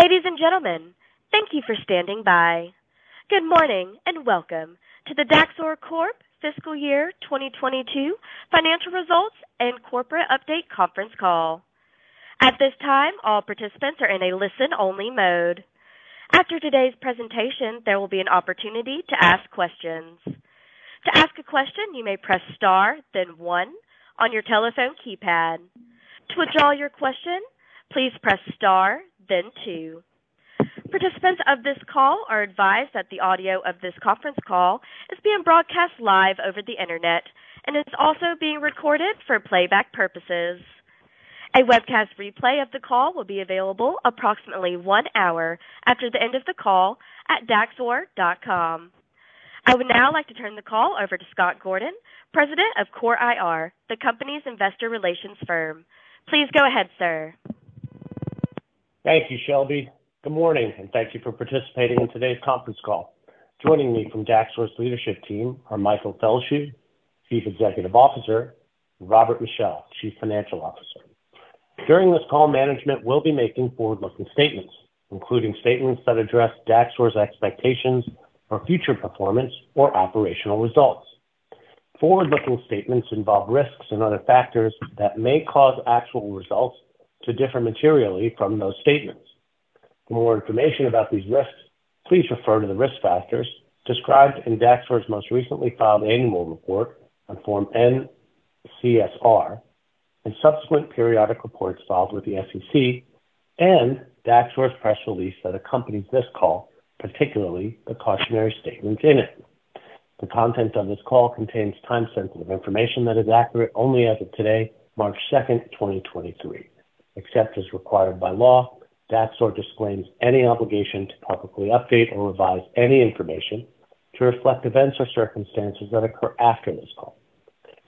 Ladies and gentlemen, thank you for standing by. Good morning, and welcome to the Daxor Corp fiscal year 2022 financial results and corporate update conference call. At this time, all participants are in a listen-only mode. After today's presentation, there will be an opportunity to ask questions. To ask a question, you may press star then one on your telephone keypad. To withdraw your question, please press star then two. Participants of this call are advised that the audio of this conference call is being broadcast live over the Internet and is also being recorded for playback purposes. A webcast replay of the call will be available approximately one hour after the end of the call at daxor.com. I would now like to turn the call over to Scott Gordon, President of CORE IR, the company's investor relations firm. Please go ahead, sir. Thank you, Shelby. Good morning. Thank you for participating in today's conference call. Joining me from Daxor's leadership team are Michael Feldschuh, Chief Executive Officer, and Robert Michel, Chief Financial Officer. During this call, management will be making forward-looking statements, including statements that address Daxor's expectations for future performance or operational results. Forward-looking statements involve risks and other factors that may cause actual results to differ materially from those statements. For more information about these risks, please refer to the risk factors described in Daxor's most recently filed annual report on Form N-CSR and subsequent periodic reports filed with the SEC and Daxor's press release that accompanies this call, particularly the cautionary statements in it. The content of this call contains time-sensitive information that is accurate only as of today, March 2nd, 2023. Except as required by law, Daxor disclaims any obligation to publicly update or revise any information to reflect events or circumstances that occur after this call.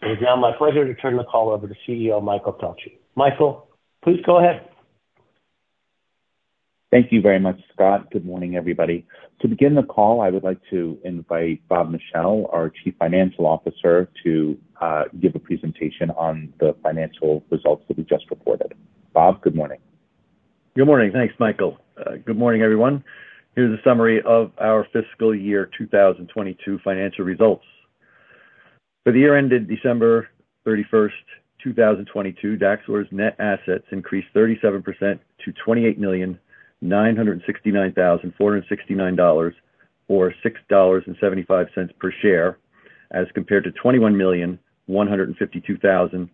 It is now my pleasure to turn the call over to CEO Michael Feldschuh. Michael, please go ahead. Thank you very much, Scott. Good morning, everybody. To begin the call, I would like to invite Bob Michel, our Chief Financial Officer, to give a presentation on the financial results that we just reported. Bob, good morning. Good morning. Thanks, Michael. Good morning, everyone. Here's a summary of our fiscal year 2022 financial results. For the year ended December 31st, 2022, Daxor's net assets increased 37% to $28,969,469, or $6.75 per share, as compared to $21,152,719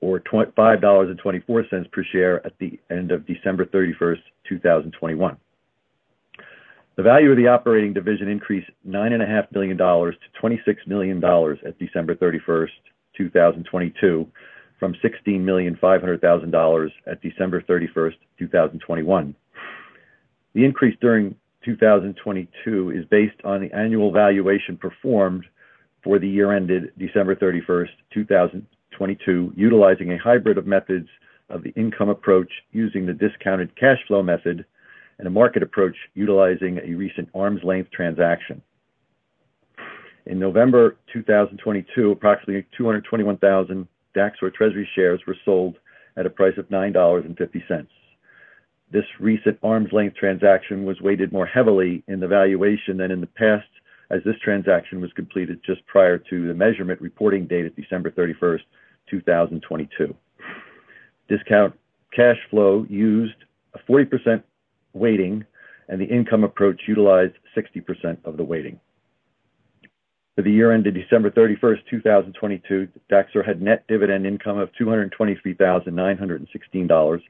or $5.24 per share at the end of December 31st, 2021. The value of the operating division increased $9.5 million To $26 million at December 31st, 2022, from $16.5 million at December 31st, 2021. The increase during 2022 is based on the annual valuation performed for the year ended December 31st, 2022, utilizing a hybrid of methods of the income approach using the discounted cash flow method and a market approach utilizing a recent arm's-length transaction. In November 2022, approximately 221,000 Daxor treasury shares were sold at a price of $9.50. This recent arm's-length transaction was weighted more heavily in the valuation than in the past, as this transaction was completed just prior to the measurement reporting date of December 31st, 2022. Discount cash flow used a 40% weighting, and the income approach utilized 60% of the weighting. For the year ended December 31st, 2022, Daxor had net dividend income of $223,916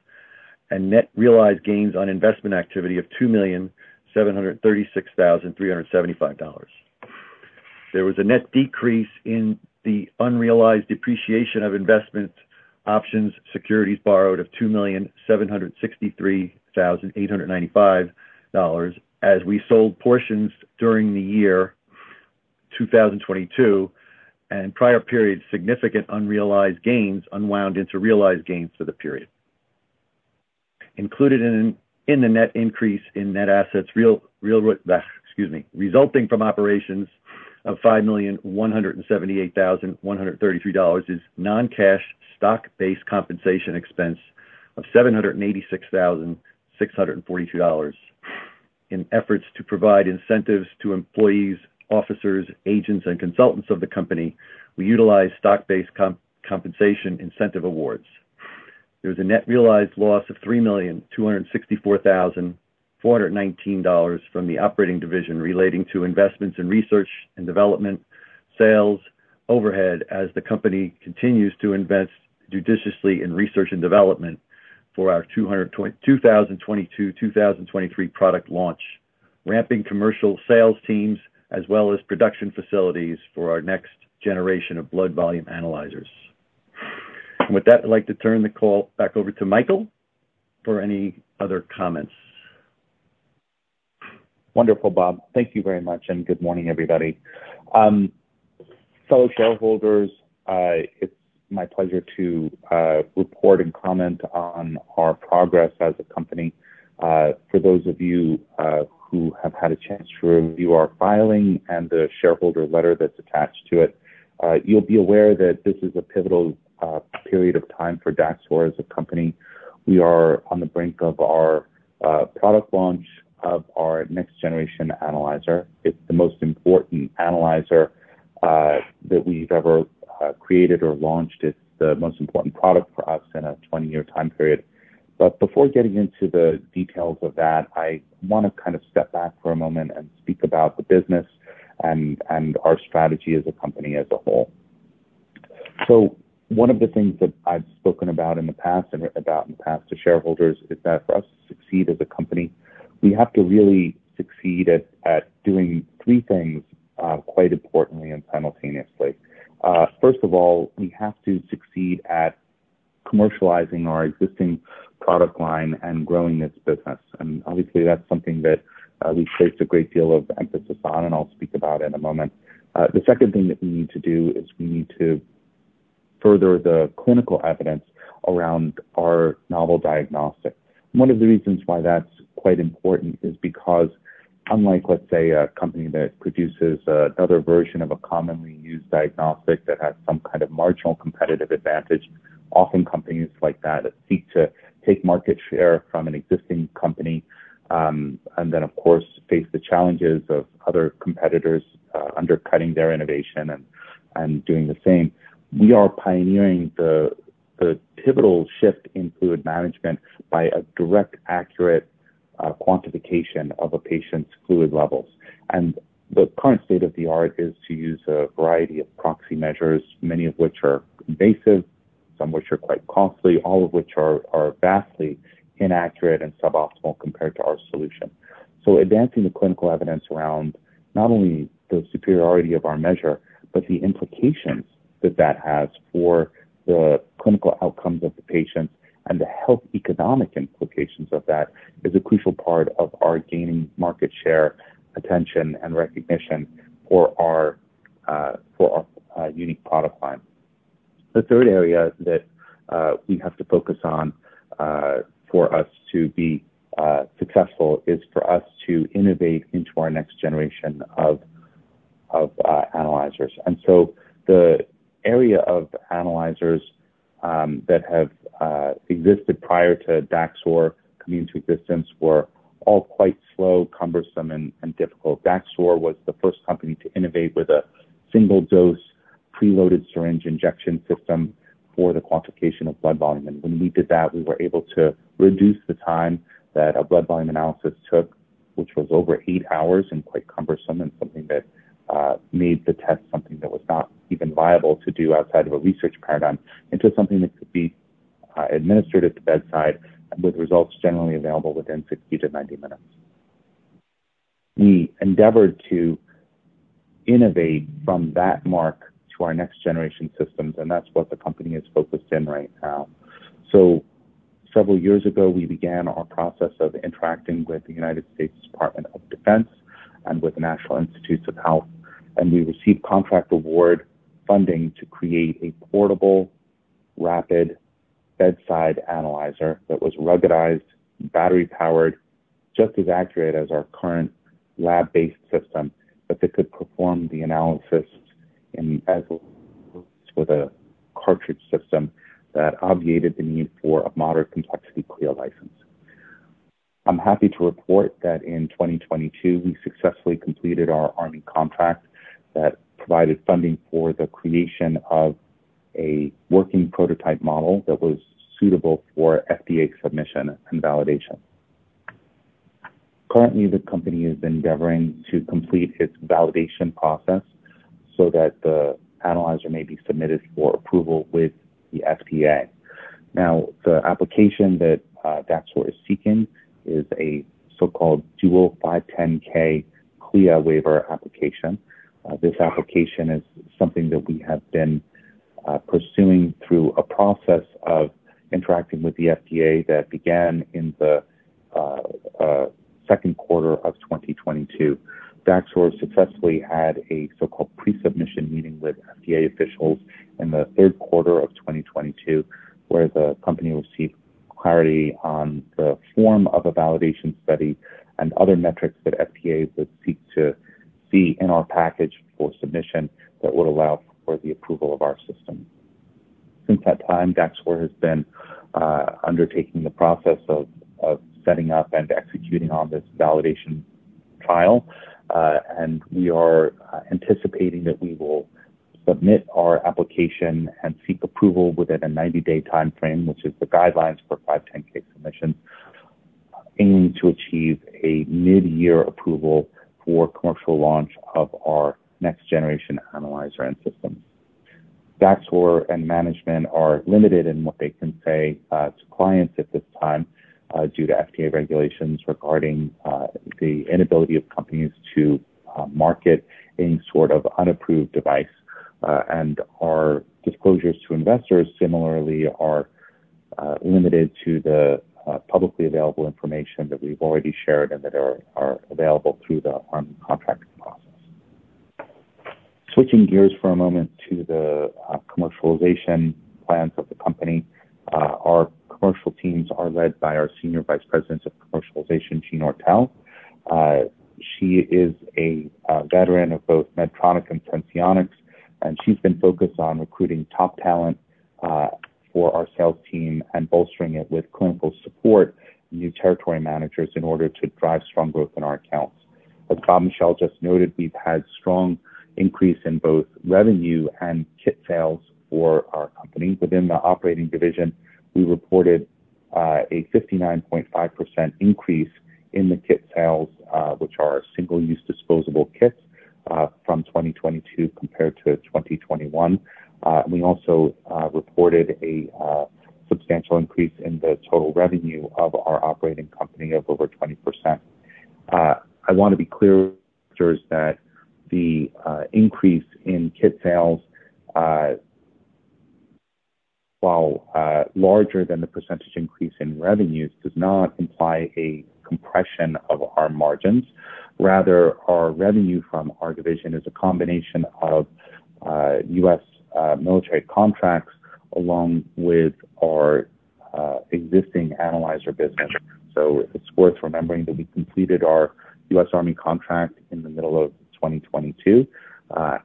and net realized gains on investment activity of $2,736,375. There was a net decrease in the unrealized depreciation of investment options, securities borrowed of $2,763,895 as we sold portions during the year 2022 and prior periods significant unrealized gains unwound into realized gains for the period. Included in the net increase in net assets, excuse me, resulting from operations of $5,178,133 is non-cash stock-based compensation expense of $786,642. In efforts to provide incentives to employees, officers, agents, and consultants of the company, we utilize stock-based compensation incentive awards. There's a net realized loss of $3,264,419 from the operating division relating to investments in research and development, sales, overhead as the company continues to invest judiciously in research and development for our 2022, 2023 product launch, ramping commercial sales teams as well as production facilities for our next generation of blood volume analyzers. With that, I'd like to turn the call back over to Michael for any other comments. Wonderful, Bob. Thank you very much. Good morning, everybody. Fellow shareholders, it's my pleasure to report and comment on our progress as a company. For those of you who have had a chance to review our filing and the shareholder letter that's attached to it, you'll be aware that this is a pivotal period of time for Daxor as a company. We are on the brink of our product launch of our next-generation analyzer. It's the most important analyzer that we've ever created or launched. It's the most important product for us in a 20-year time period. Before getting into the details of that, I wanna kind of step back for a moment and speak about the business and our strategy as a company as a whole. One of the things that I've spoken about in the past and written about in the past to shareholders is that for us to succeed as a company, we have to really succeed at doing three things, quite importantly and simultaneously. First of all, we have to succeed at commercializing our existing product line and growing this business. Obviously that's something that we've placed a great deal of emphasis on, and I'll speak about in a moment. The second thing that we need to do is we need to further the clinical evidence around our novel diagnostic. One of the reasons why that's quite important is because unlike, let's say, a company that produces another version of a commonly used diagnostic that has some kind of marginal competitive advantage, often companies like that seek to take market share from an existing company, and then of course, face the challenges of other competitors, undercutting their innovation and doing the same. We are pioneering the pivotal shift in fluid management by a direct, accurate quantification of a patient's fluid levels. The current state-of-the-art is to use a variety of proxy measures, many of which are invasive, some which are quite costly, all of which are vastly inaccurate and suboptimal compared to our solution. Advancing the clinical evidence around not only the superiority of our measure, but the implications that that has for the clinical outcomes of the patients and the health economic implications of that, is a crucial part of our gaining market share, attention, and recognition for our unique product line. The third area that we have to focus on for us to be successful is for us to innovate into our next generation of analyzers. The area of analyzers that have existed prior to Daxor coming into existence were all quite slow, cumbersome, and difficult. Daxor was the first company to innovate with a single-dose preloaded syringe injection system for the quantification of blood volume. When we did that, we were able to reduce the time that a blood volume analysis took, which was over eight hours and quite cumbersome, and something that made the test something that was not even viable to do outside of a research paradigm, into something that could be administered at the bedside with results generally available within 60 minutes-90 minutes. We endeavored to innovate from that mark to our next generation systems, and that's what the company is focused in right now. Several years ago, we began our process of interacting with the United States Department of Defense and with the National Institutes of Health, and we received contract award funding to create a portable rapid bedside analyzer that was ruggedized, battery powered, just as accurate as our current lab-based system, but that could perform the analysis with a cartridge system that obviated the need for a moderate complexity CLIA license. I'm happy to report that in 2022, we successfully completed our Army contract that provided funding for the creation of a working prototype model that was suitable for FDA submission and validation. Currently, the company is endeavoring to complete its validation process so that the analyzer may be submitted for approval with the FDA. The application that Daxor is seeking is a so-called Dual 510(k) CLIA Waiver application. This application is something that we have been pursuing through a process of interacting with the FDA that began in the second quarter of 2022. Daxor successfully had a so-called pre-submission meeting with FDA officials in the third quarter of 2022, where the company received clarity on the form of a validation study and other metrics that FDA would seek to see in our package for submission that would allow for the approval of our system. Since that time, Daxor has been undertaking the process of setting up and executing on this validation trial. We are anticipating that we will submit our application and seek approval within a 90-day timeframe, which is the guidelines for 510(k) submission, aiming to achieve a mid-year approval for commercial launch of our next generation analyzer and system. Daxor and management are limited in what they can say to clients at this time due to FDA regulations regarding the inability of companies to market any sort of unapproved device. Our disclosures to investors similarly are limited to the publicly available information that we've already shared and that are available through the Army contracting process. Switching gears for a moment to the commercialization plans of the company. Our commercial teams are led by our Senior Vice President of Commercialization, Jean Oertel. She is a veteran of both Medtronic and Senseonics, and she's been focused on recruiting top talent for our sales team and bolstering it with clinical support and new territory managers in order to drive strong growth in our accounts. As Bob Michel just noted, we've had strong increase in both revenue and kit sales for our company. Within the operating division, we reported a 59.5% increase in the kit sales, which are single-use disposable kits, from 2022 compared to 2021. We also reported a substantial increase in the total revenue of our operating company of over 20%. I wanna be clear that the increase in kit sales, while larger than the percentage increase in revenues, does not imply a compression of our margins. Rather, our revenue from our division is a combination of U.S. military contracts along with our existing Analyzer business. It's worth remembering that we completed our U.S. Army contract in the middle of 2022,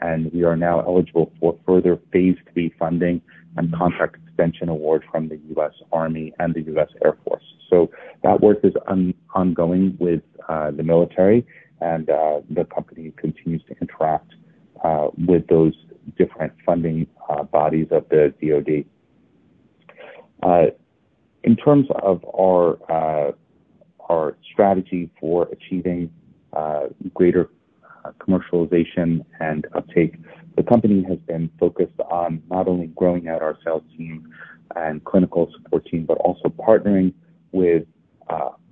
and we are now eligible for further phase III funding and contract extension award from the U.S. Army and the U.S. Air Force. That work is ongoing with the military and the company continues to contract with those different funding bodies of the DoD. In terms of our strategy for achieving greater commercialization and uptake, the company has been focused on not only growing out our sales team and clinical support team, but also partnering with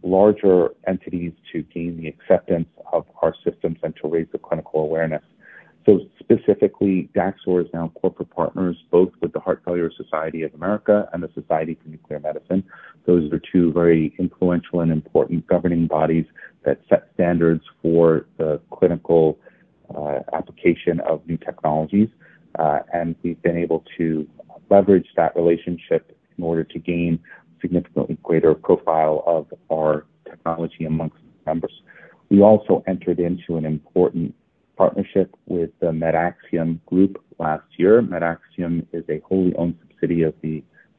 larger entities to gain the acceptance of our systems and to raise the clinical awareness. Specifically, Daxor is now corporate partners both with the Heart Failure Society of America and the Society for Nuclear Medicine. Those are two very influential and important governing bodies that set standards for the clinical application of new technologies. We've been able to leverage that relationship in order to gain significantly greater profile of our technology amongst members. We also entered into an important partnership with the MedAxiom Group last year. MedAxiom is a wholly owned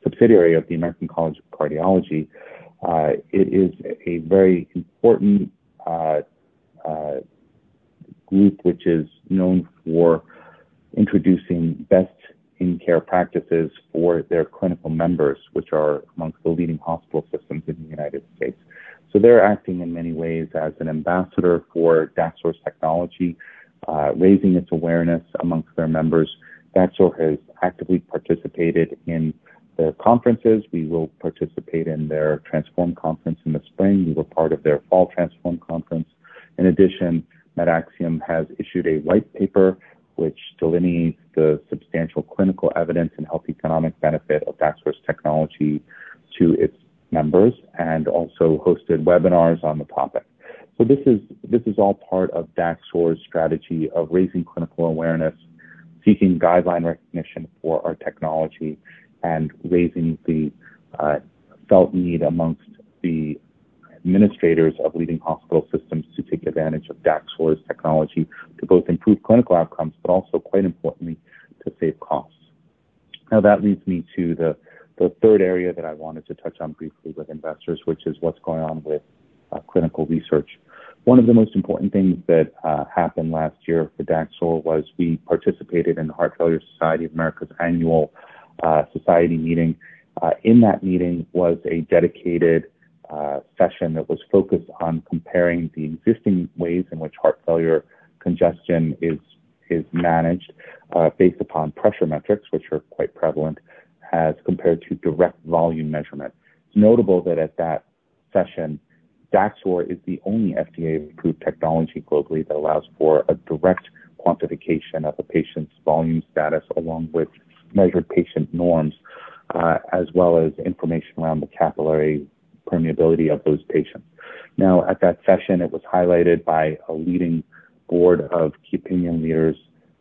subsidiary of the American College of Cardiology. It is a very important group which is known for introducing best in care practices for their clinical members, which are amongst the leading hospital systems in the United States. They're acting in many ways as an ambassador for Daxor's technology, raising its awareness amongst their members. Daxor has actively participated in their conferences. We will participate in their Transform Conference in the spring. We were part of their fall Transform Conference. In addition, MedAxiom has issued a white paper which delineates the substantial clinical evidence and health economic benefit of Daxor's technology to its members, and also hosted webinars on the topic. This is all part of Daxor's strategy of raising clinical awareness, seeking guideline recognition for our technology, and raising the felt need amongst the administrators of leading hospital systems to take advantage of Daxor's technology to both improve clinical outcomes but also, quite importantly, to save costs. That leads me to the third area that I wanted to touch on briefly with investors, which is what's going on with clinical research. One of the most important things that happened last year for Daxor was we participated in the Heart Failure Society of America's annual society meeting. In that meeting was a dedicated session that was focused on comparing the existing ways in which heart failure congestion is managed based upon pressure metrics, which are quite prevalent, as compared to direct volume measurement. It's notable that at that session, Daxor is the only FDA-approved technology globally that allows for a direct quantification of a patient's volume status along with measured patient norms, as well as information around the capillary permeability of those patients. At that session, it was highlighted by a leading board of key opinion leaders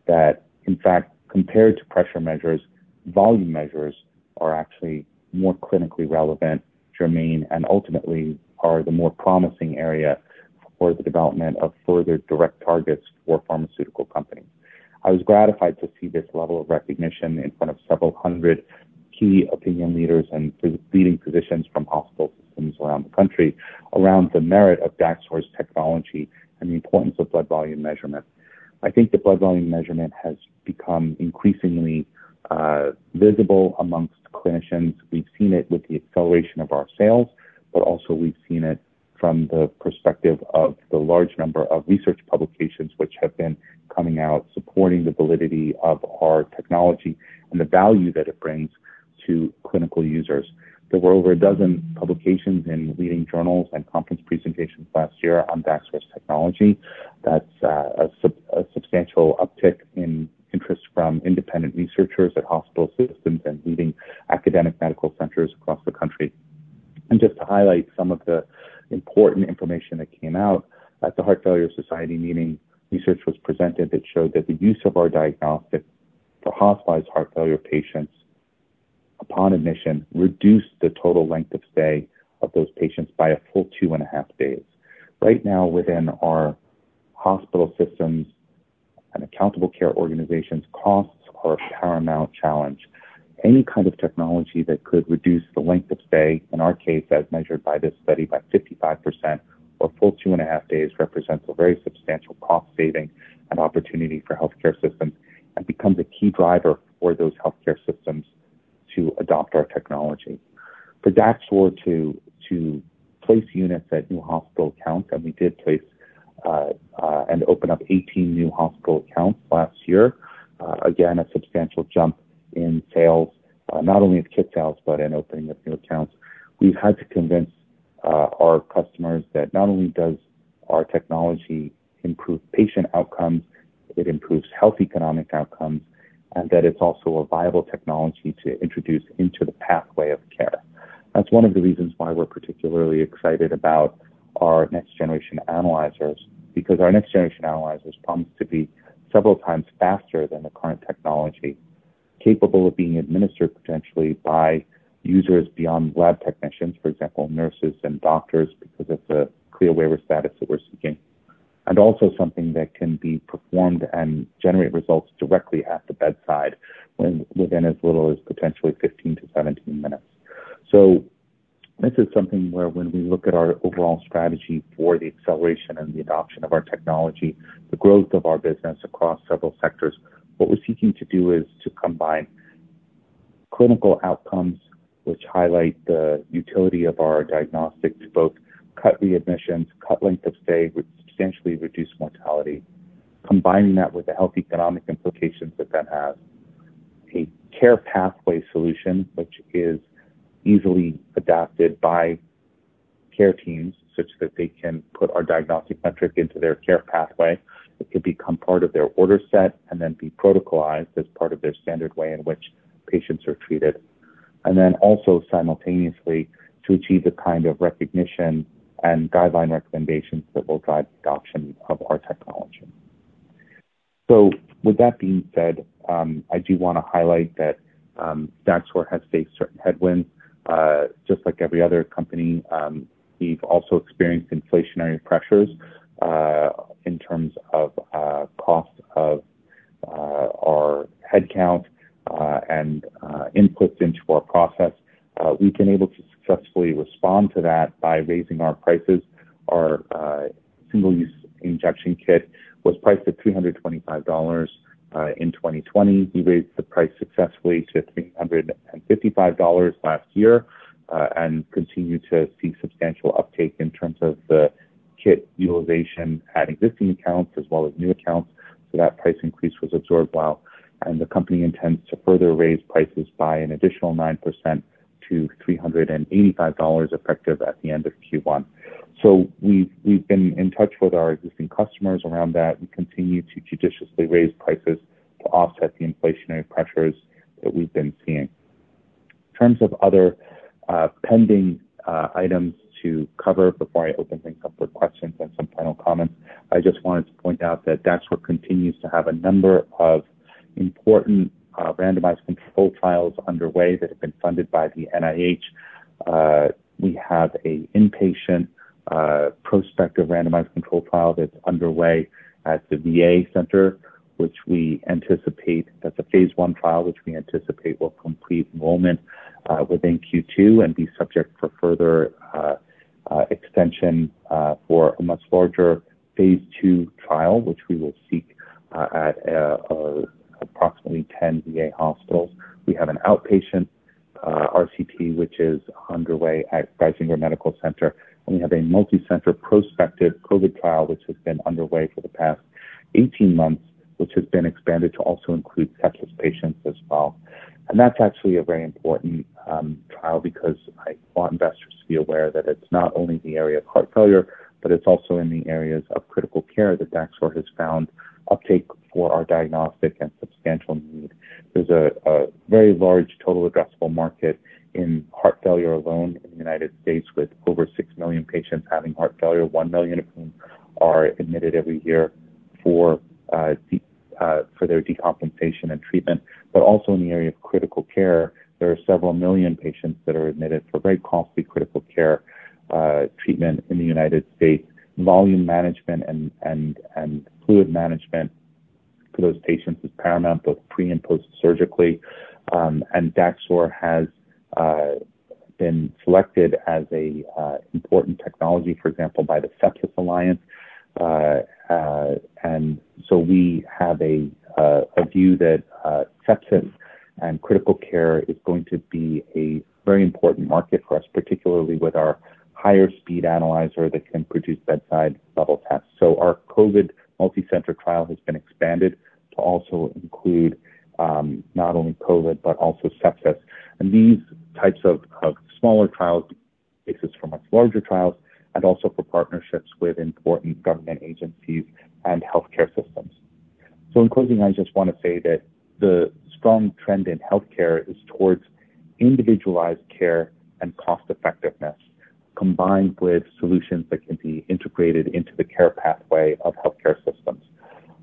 that in fact, compared to pressure measures, volume measures are actually more clinically relevant, germane, and ultimately are the more promising area for the development of further direct targets for pharmaceutical companies. I was gratified to see this level of recognition in front of several hundred key opinion leaders and leading physicians from hospital systems around the country around the merit of Daxor's technology and the importance of blood volume measurement. I think the blood volume measurement has become increasingly visible amongst clinicians. We've seen it with the acceleration of our sales, but also we've seen it from the perspective of the large number of research publications which have been coming out supporting the validity of our technology and the value that it brings to clinical users. There were over a dozen publications in leading journals and conference presentations last year on Daxor's technology. That's a substantial uptick in interest from independent researchers at hospital systems and leading academic medical centers across the country. Just to highlight some of the important information that came out at the Heart Failure Society meeting, research was presented that showed that the use of our diagnostic for hospitalized heart failure patients upon admission reduced the total length of stay of those patients by a full two and a half days. Right now, within our hospital systems and accountable care organizations, costs are a paramount challenge. Any kind of technology that could reduce the length of stay, in our case, as measured by this study by 55% or a full two and a half days, represents a very substantial cost saving and opportunity for healthcare systems and becomes a key driver for those healthcare systems to adopt our technology. For Daxor to place units at new hospital accounts. We did place and open up 18 new hospital accounts last year. Again, a substantial jump in sales, not only in kit sales, but in opening up new accounts. We've had to convince our customers that not only does our technology improve patient outcomes, it improves health economic outcomes, and that it's also a viable technology to introduce into the pathway of care. That's one of the reasons why we're particularly excited about our next generation analyzers. Our next generation analyzers promise to be several times faster than the current technology, capable of being administered potentially by users beyond lab technicians, for example, nurses and doctors, because it's a CLIA waiver status that we're seeking. Also something that can be performed and generate results directly at the bedside within as little as potentially 15 minutes-17 minutes. This is something where when we look at our overall strategy for the acceleration and the adoption of our technology, the growth of our business across several sectors, what we're seeking to do is to combine clinical outcomes which highlight the utility of our diagnostics, both cut readmissions, cut length of stay, which substantially reduce mortality, combining that with the health economic implications that that has. A care pathway solution which is easily adapted by care teams such that they can put our diagnostic metric into their care pathway. It could become part of their order set and then be protocolized as part of their standard way in which patients are treated. Also simultaneously to achieve the kind of recognition and guideline recommendations that will guide the adoption of our technology. With that being said, I do wanna highlight that Daxor has faced certain headwinds. Just like every other company, we've also experienced inflationary pressures, in terms of cost of our headcount, and inputs into our process. We've been able to successfully respond to that by raising our prices. Our single-use injection kit was priced at $325 in 2020. We raised the price successfully to $355 last year, and continue to see substantial uptake in terms of the kit utilization at existing accounts as well as new accounts. That price increase was absorbed well, and the company intends to further raise prices by an additional 9% to $385 effective at the end of Q1. We've been in touch with our existing customers around that and continue to judiciously raise prices to offset the inflationary pressures that we've been seeing. In terms of other pending items to cover before I open things up for questions and some final comments, I just wanted to point out that Daxor continues to have a number of important randomized control trials underway that have been funded by the NIH. We have a inpatient prospective randomized control trial that's underway at the VA center, which we anticipate. That's a phase I trial, which we anticipate will complete enrollment within Q2 and be subject for further extension for a much larger phase II trial, which we will seek at approximately 10 VA hospitals. We have an outpatient RCT, which is underway at Geisinger Medical Center, and we have a multicenter prospective COVID trial, which has been underway for the past 18 months, which has been expanded to also include sepsis patients as well. That's actually a very important trial because I want investors to be aware that it's not only the area of heart failure, but it's also in the areas of critical care that Daxor has found uptake for our diagnostic and substantial need. There's a very large total addressable market in heart failure alone in the U.S., with over 6 million patients having heart failure, 1 million of whom are admitted every year for their decompensation and treatment. Also in the area of critical care, there are several million patients that are admitted for very costly critical care treatment in the U.S. volume management and fluid management for those patients is paramount, both pre and post surgically. Daxor has been selected as a important technology, for example, by the Sepsis Alliance. We have a view that sepsis and critical care is going to be a very important market for us, particularly with our higher speed analyzer that can produce bedside level tests. Our COVID multicenter trial has been expanded to also include not only COVID, but also sepsis. These types of smaller trials, cases for much larger trials and also for partnerships with important government agencies and healthcare systems. In closing, I just want to say that the strong trend in healthcare is towards individualized care and cost effectiveness, combined with solutions that can be integrated into the care pathway of healthcare systems.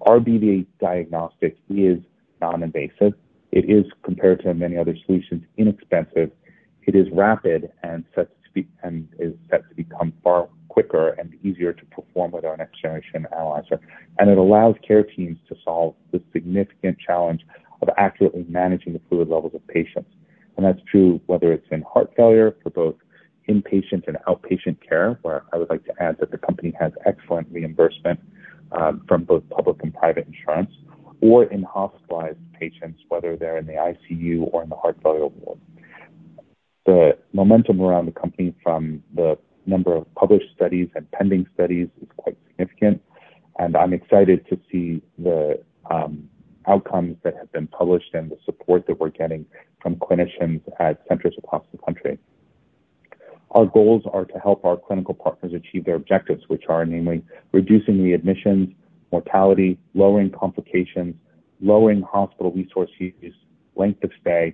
Our BVA diagnostic is non-invasive. It is, compared to many other solutions, inexpensive. It is rapid and is set to become far quicker and easier to perform with our next generation analyzer. It allows care teams to solve the significant challenge of accurately managing the fluid levels of patients. That's true whether it's in heart failure for both inpatient and outpatient care, where I would like to add that the company has excellent reimbursement from both public and private insurance or in hospitalized patients, whether they're in the ICU or in the heart failure ward. The momentum around the company from the number of published studies and pending studies is quite significant, and I'm excited to see the outcomes that have been published and the support that we're getting from clinicians at centers across the country. Our goals are to help our clinical partners achieve their objectives, which are namely reducing readmissions, mortality, lowering complications, lowering hospital resource use, length of stay,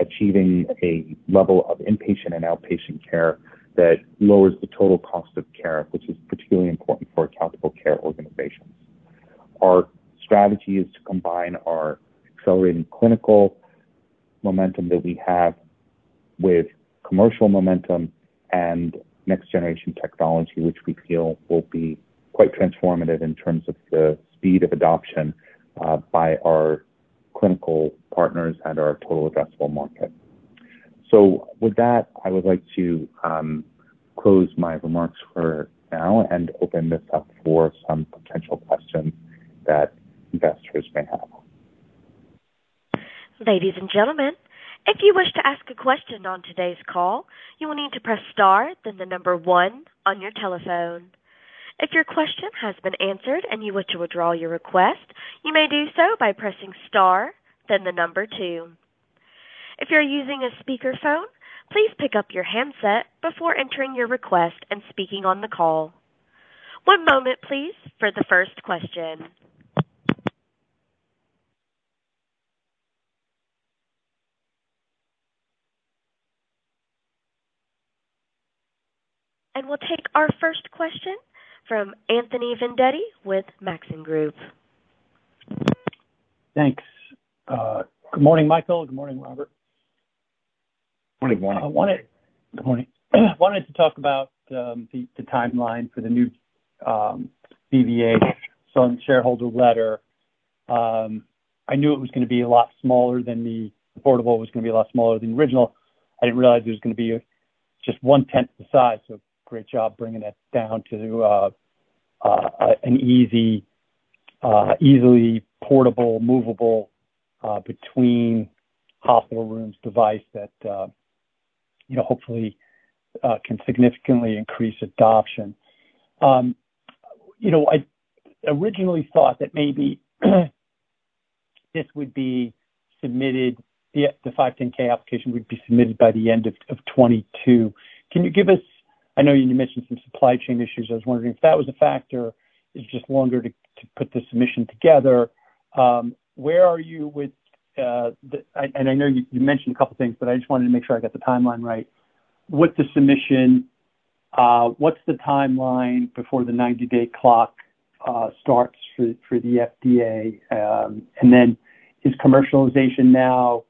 achieving a level of inpatient and outpatient care that lowers the total cost of care, which is particularly important for accountable care organizations. Our strategy is to combine our accelerating clinical momentum that we have with commercial momentum and next-generation technology, which we feel will be quite transformative in terms of the speed of adoption by our clinical partners and our total addressable market. With that, I would like to close my remarks for now and open this up for some potential questions that investors may have. Ladies and gentlemen, if you wish to ask a question on today's call, you will need to press star then the number one on your telephone. If your question has been answered and you wish to withdraw your request, you may do so by pressing star then the number two. If you're using a speakerphone, please pick up your handset before entering your request and speaking on the call. One moment please for the first question. We'll take our first question from Anthony Vendetti with Maxim Group. Thanks. Good morning, Michael. Good morning, Robert. Good morning. Good morning. I wanted to talk about the timeline for the new BVA shareholder letter. I knew it was gonna be a lot smaller than the portable, was gonna be a lot smaller than the original. I didn't realize it was gonna be just one-tenth the size. Great job bringing that down to an easy, easily portable, movable, between hospital rooms device that, you know, hopefully, can significantly increase adoption. You know, I originally thought that maybe this would be submitted, the 510(k) application would be submitted by the end of 2022. I know you mentioned some supply chain issues. I was wondering if that was a factor. It's just longer to put the submission together. Where are you with, I know you mentioned a couple things, but I just wanted to make sure I got the timeline right. With the submission, what's the timeline before the 90-day clock starts for the FDA? Is commercialization now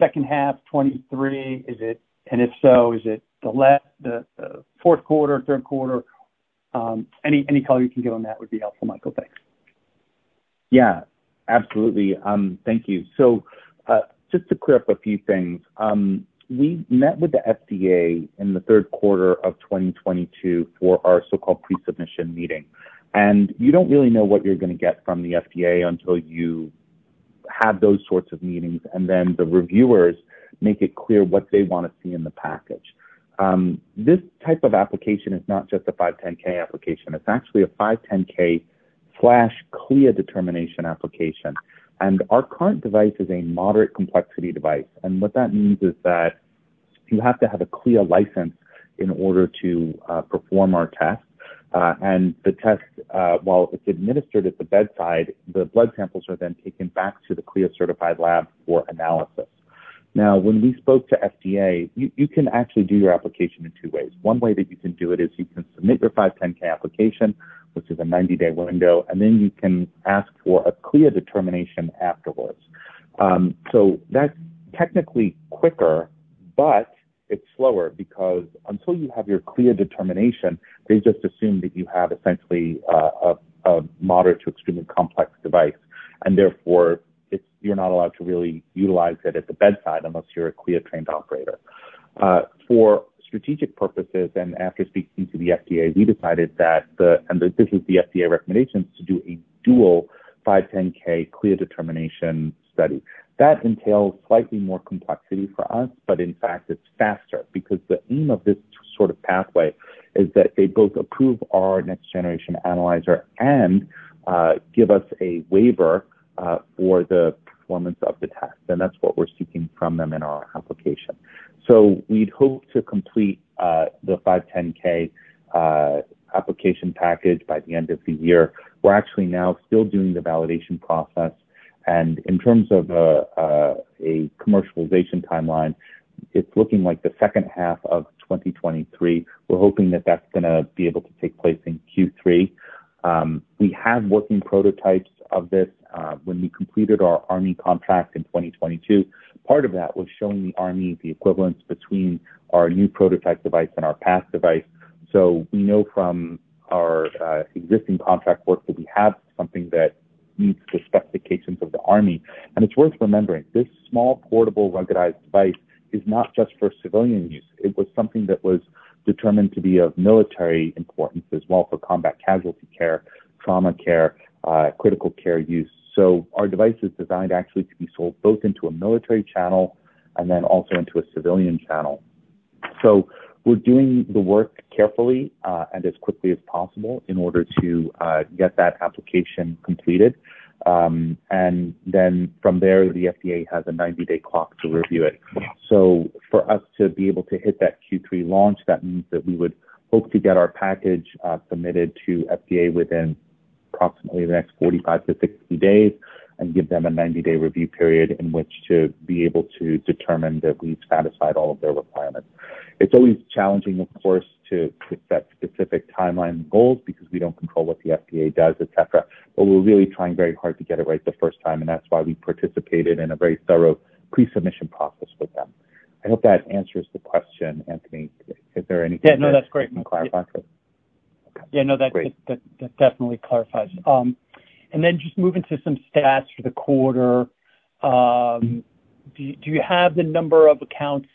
second half 2023, is it? If so, is it the fourth quarter, third quarter? Any color you can give on that would be helpful, Michael. Thanks. Yeah, absolutely. Thank you. Just to clear up a few things. We met with the FDA in the third quarter of 2022 for our so-called pre-submission meeting. You don't really know what you're gonna get from the FDA until you have those sorts of meetings, and then the reviewers make it clear what they wanna see in the package. This type of application is not just a 510(k) application. It's actually a 510(k) slash CLIA determination application. Our current device is a moderate complexity device. What that means is that you have to have a CLIA license in order to perform our test. The test, while it's administered at the bedside, the blood samples are then taken back to the CLIA certified lab for analysis. When we spoke to FDA, you can actually do your application in ways. One way that you can do it is you can submit your 510(k) application, which is a 90-day window, and then you can ask for a CLIA determination afterwards. That's technically quicker, but it's slower because until you have your CLIA determination, they just assume that you have essentially a moderate to extremely complex device, and therefore you're not allowed to really utilize it at the bedside unless you're a CLIA trained operator. For strategic purposes, after speaking to the FDA, we decided that, and this is the FDA recommendations, to do a dual 510(k) CLIA determination study. That entails slightly more complexity for us, but in fact it's faster because the aim of this sort of pathway is that they both approve our next generation analyzer and give us a waiver for the performance of the test. That's what we're seeking from them in our application. We'd hope to complete the 510(k) application package by the end of the year. We're actually now still doing the validation process. In terms of a commercialization timeline. It's looking like the second half of 2023. We're hoping that that's gonna be able to take place in Q3. We have working prototypes of this. When we completed our Army contract in 2022, part of that was showing the Army the equivalence between our new prototype device and our past device. We know from our existing contract work that we have something that meets the specifications of the Army. It's worth remembering, this small, portable, ruggedized device is not just for civilian use. It was something that was determined to be of military importance as well for combat casualty care, trauma care, critical care use. Our device is designed actually to be sold both into a military channel and then also into a civilian channel. We're doing the work carefully and as quickly as possible in order to get that application completed. From there, the FDA has a 90-day clock to review it. For us to be able to hit that Q3 launch, that means that we would hope to get our package submitted to FDA within approximately the next 45 days-60 days and give them a 90-day review period in which to be able to determine that we've satisfied all of their requirements. It's always challenging, of course, to set specific timeline goals because we don't control what the FDA does, et cetera, but we're really trying very hard to get it right the first time, and that's why we participated in a very thorough pre-submission process with them. I hope that answers the question, Anthony. Is there anything? Yeah. No, that's great. You wanna clarify? Okay. Yeah, no. Great. That definitely clarifies. Just moving to some stats for the quarter. Do you have the number of accounts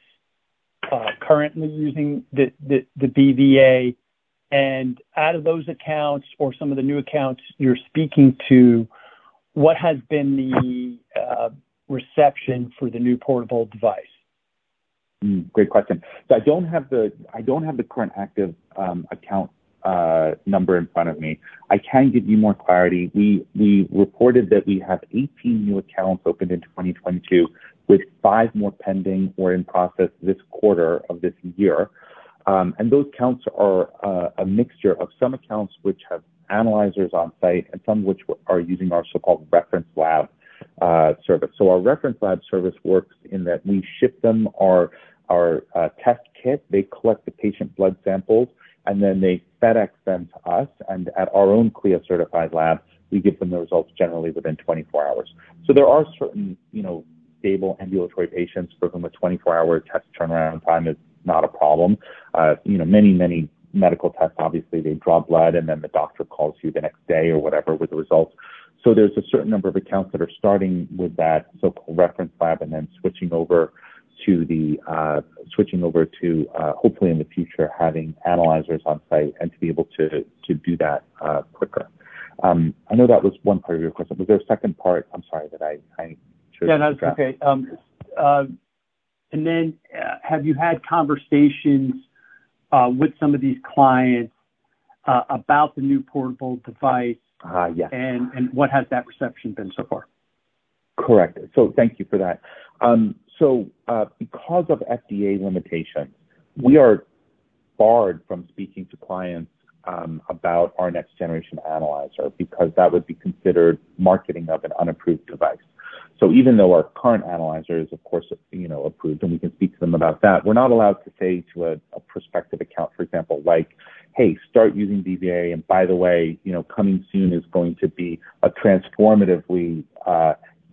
currently using the BVA? Out of those accounts or some of the new accounts you're speaking to, what has been the reception for the new portable device? Great question. I don't have the, I don't have the current active account number in front of me. I can give you more clarity. We, we reported that we have 18 new accounts opened in 2022, with five more pending or in process this quarter of this year. Those accounts are a mixture of some accounts which have analyzers on site and some which are using our so-called reference lab service. Our reference lab service works in that we ship them our test kit, they collect the patient blood samples, and then they FedEx them to us, and at our own CLIA-certified lab, we give them the results generally within 24 hours. There are certain, you know, stable ambulatory patients for whom a 24-hour test turnaround time is not a problem. You know, many, many medical tests, obviously, they draw blood, and then the doctor calls you the next day or whatever with the results. There's a certain number of accounts that are starting with that so-called reference lab and then switching over to, hopefully in the future, having analyzers on site and to be able to do that quicker. I know that was one part of your question. Was there a second part? I'm sorry that I sort of forgot. Yeah, no. It's okay. Have you had conversations with some of these clients about the new portable device? Yes. What has that reception been so far? Correct. Thank you for that. Because of FDA limitations, we are barred from speaking to clients about our next generation analyzer because that would be considered marketing of an unapproved device. Even though our current analyzer is, of course, you know, approved, and we can speak to them about that, we're not allowed to say to a prospective account, for example, like, "Hey, start using BVA. By the way, you know, coming soon is going to be a transformatively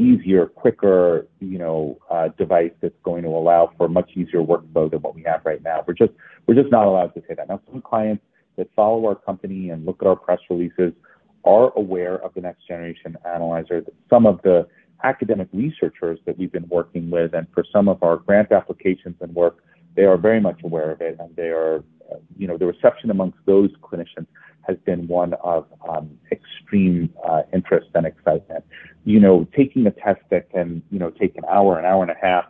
easier, quicker, you know, device that's going to allow for much easier workflow than what we have right now." We're just not allowed to say that. Some clients that follow our company and look at our press releases are aware of the next generation analyzer. Some of the academic researchers that we've been working with and for some of our grant applications and work, they are very much aware of it. You know, the reception amongst those clinicians has been one of extreme interest and excitement. You know, taking a test that can, you know, take an hour, an hour and a half,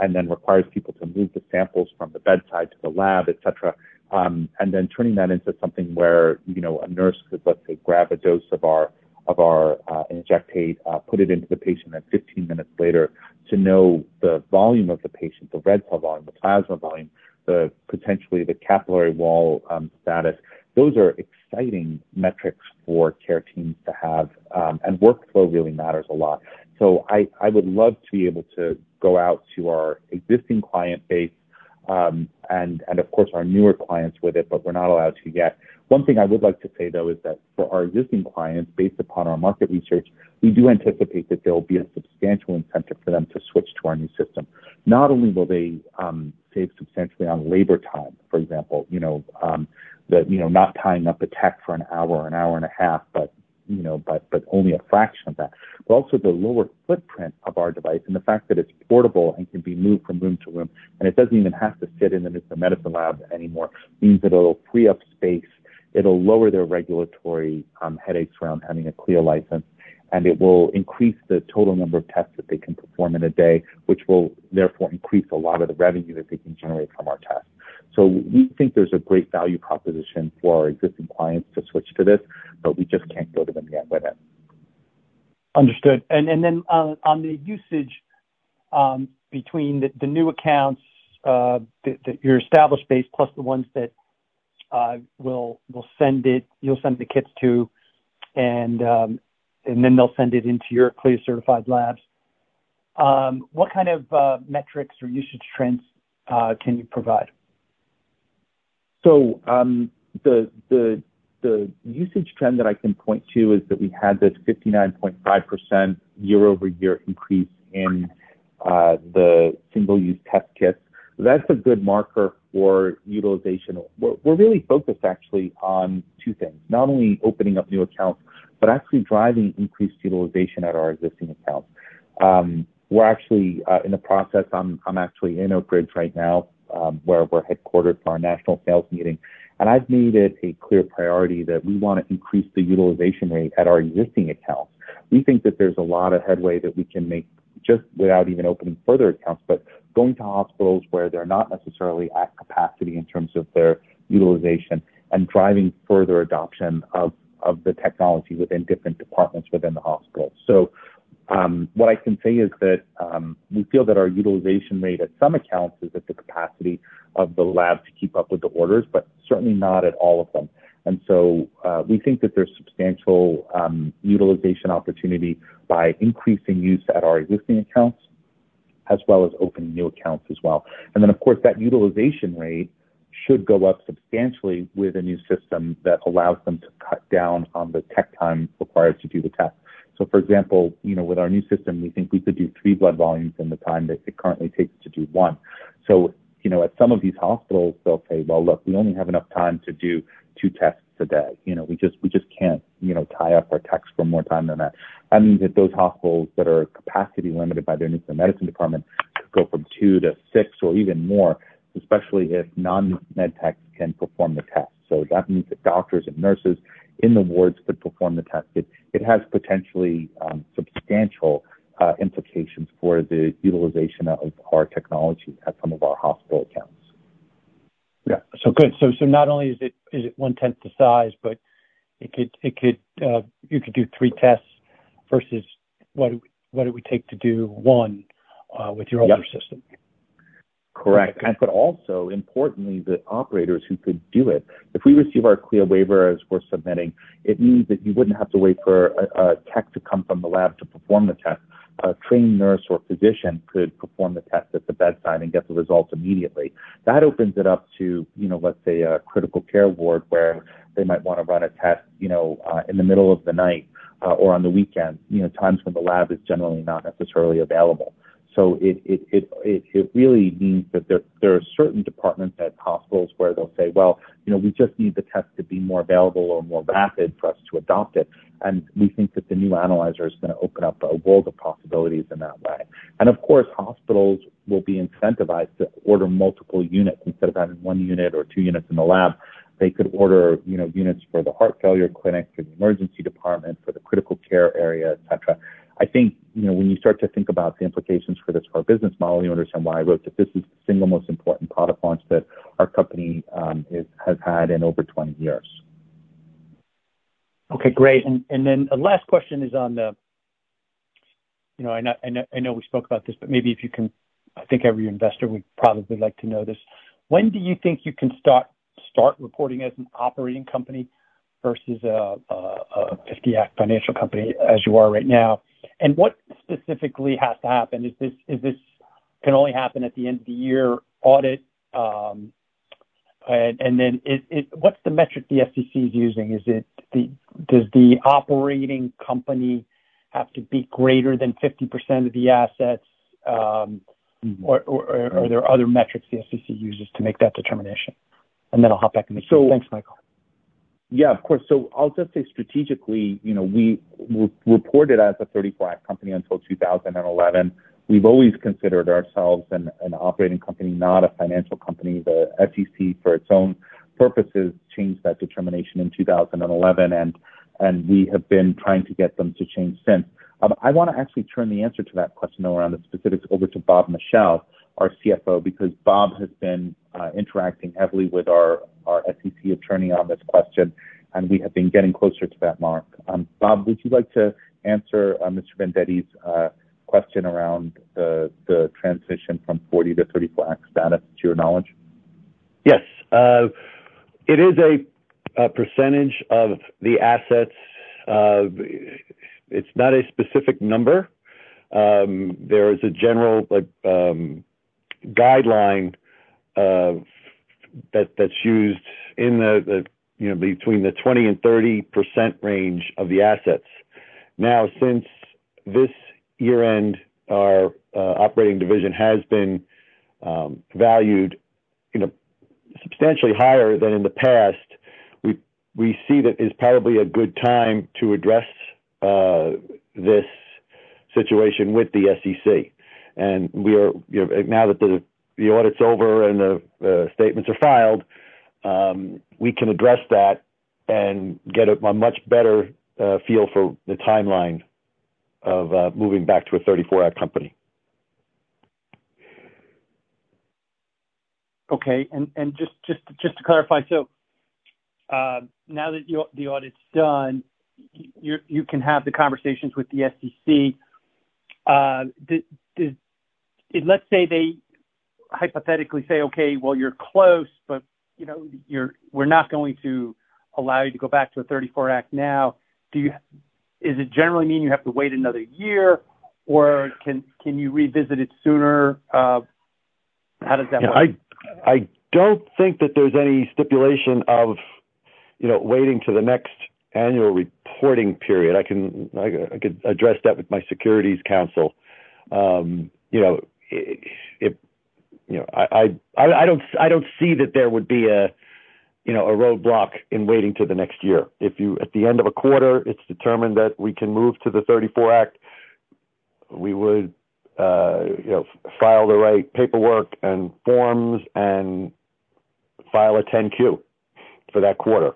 and then requires people to move the samples from the bedside to the lab, et cetera, and then turning that into something where, you know, a nurse could, let's say, grab a dose of our, of our injectate, put it into the patient, and 15 minutes later to know the volume of the patient, the red cell volume, the plasma volume, the potentially the capillary wall status. Those are exciting metrics for care teams to have, workflow really matters a lot. I would love to be able to go out to our existing client base, and of course, our newer clients with it, but we're not allowed to yet. One thing I would like to say, though, is that for our existing clients, based upon our market research, we do anticipate that there will be a substantial incentive for them to switch to our new system. Not only will they save substantially on labor time, for example, you know, the, you know, not tying up a tech for an hour or an hour and a half, but, you know, but only a fraction of that. Also the lower footprint of our device and the fact that it's portable and can be moved from room to room, and it doesn't even have to sit in the medicine lab anymore, means that it'll free up space, it'll lower their regulatory headaches around having a CLIA license, and it will increase the total number of tests that they can perform in a day, which will therefore increase a lot of the revenue that they can generate from our tests. We think there's a great value proposition for our existing clients to switch to this, but we just can't go to them yet with it. Understood. Then, on the usage, between the new accounts, that your established base, plus the ones that you'll send the kits to and then they'll send it into your CLIA-certified labs. What kind of metrics or usage trends can you provide? The usage trend that I can point to is that we had this 59.5% year-over-year increase in the single-use test kits. That's a good marker for utilization. We're really focused actually on two things: not only opening up new accounts, but actually driving increased utilization at our existing accounts. We're actually in the process, I'm actually in Oak Ridge right now, where we're headquartered for our national sales meeting. I've made it a CLIA priority that we wanna increase the utilization rate at our existing accounts. We think that there's a lot of headway that we can make just without even opening further accounts, but going to hospitals where they're not necessarily at capacity in terms of their utilization, and driving further adoption of the technology within different departments within the hospital. What I can say is that we feel that our utilization rate at some accounts is at the capacity of the lab to keep up with the orders, but certainly not at all of them. We think that there's substantial utilization opportunity by increasing use at our existing accounts, as well as opening new accounts as well. Of course, that utilization rate should go up substantially with a new system that allows them to cut down on the tech time required to do the test. For example, you know, with our new system, we think we could do three blood volumes in the time that it currently takes to do one. You know, at some of these hospitals, they'll say, "Well, look, we only have enough time to do two tests a day. You know, we just can't, you know, tie up our techs for more time than that. That means that those hospitals that are capacity limited by their nuclear medicine department could go from two-six or even more, especially if non-med techs can perform the test. That means that doctors and nurses in the wards could perform the test. It has potentially substantial implications for the utilization of our technology at some of our hospital accounts. Yeah. So good. Not only is it one-tenth the size, but it could, you could do three tests versus what it would take to do one with your older system. Correct. Okay. Also, importantly, the operators who could do it. If we receive our CLIA waiver as we're submitting, it means that you wouldn't have to wait for a tech to come from the lab to perform the test. A trained nurse or physician could perform the test at the bedside and get the results immediately. That opens it up to, you know, let's say a critical care ward where they might wanna run a test, you know, in the middle of the night, or on the weekend, you know, times when the lab is generally not necessarily available. It really means that there are certain departments at hospitals where they'll say, "Well, you know, we just need the test to be more available or more rapid for us to adopt it." We think that the new analyzer is gonna open up a world of possibilities in that way. Of course, hospitals will be incentivized to order multiple units. Instead of having one unit or two units in the lab, they could order, you know, units for the heart failure clinic, for the emergency department, for the critical care area, et cetera. I think, you know, when you start to think about the implications for this, for our business model, you understand why I wrote that this is the single most important product launch that our company has had in over 20 years. Okay, great. Then the last question is on the. You know, I know we spoke about this, but maybe if you can, I think every investor would probably like to know this. When do you think you can start reporting as an operating company versus a 50-Act financial company as you are right now? What specifically has to happen? Is this can only happen at the end of the year audit, and then what's the metric the SEC is using? Does the operating company have to be greater than 50% of the assets, or are there other metrics the SEC uses to make that determination? Then I'll hop back in the queue. Thanks, Michael. So, yeah, of course. I'll just say strategically, you know, we reported as a 34 Act company until 2011. We've always considered ourselves an operating company, not a financial company. The SEC, for its own purposes, changed that determination in 2011, and we have been trying to get them to change since. I wanna actually turn the answer to that question around the specifics over to Bob Michel, our CFO, because Bob has been interacting heavily with our SEC attorney on this question, and we have been getting closer to that mark. Bob, would you like to answer Mr. Vendetti's question around the transition from 40 act to 34 Act status, to your knowledge? Yes. It is a percentage of the assets. It's not a specific number. There is a general, like, guideline, that's used in the, you know, between the 20% and 30% range of the assets. Now, since this year-end, our operating division has been valued, you know, substantially higher than in the past. We see that it's probably a good time to address this situation with the SEC. You know, now that the audit's over and the statements are filed, we can address that and get a much better feel for the timeline of moving back to a 34 Act company. Okay. Just to clarify. Now that the audit's done, you can have the conversation with the SEC. Let's say they hypothetically say, "Okay, well you're close, but, you know, we're not going to allow you to go back to a 34 Act now." Is it generally mean you have to wait another year, or can you revisit it sooner? How does that work? I don't think that there's any stipulation of, you know, waiting till the next annual reporting period. I can address that with my securities counsel. You know, I don't see that there would be a, you know, a roadblock in waiting till the next year. If you at the end of a quarter, it's determined that we can move to the 34 Act, we would, you know, file the right paperwork and forms and file a 10-Q for that quarter.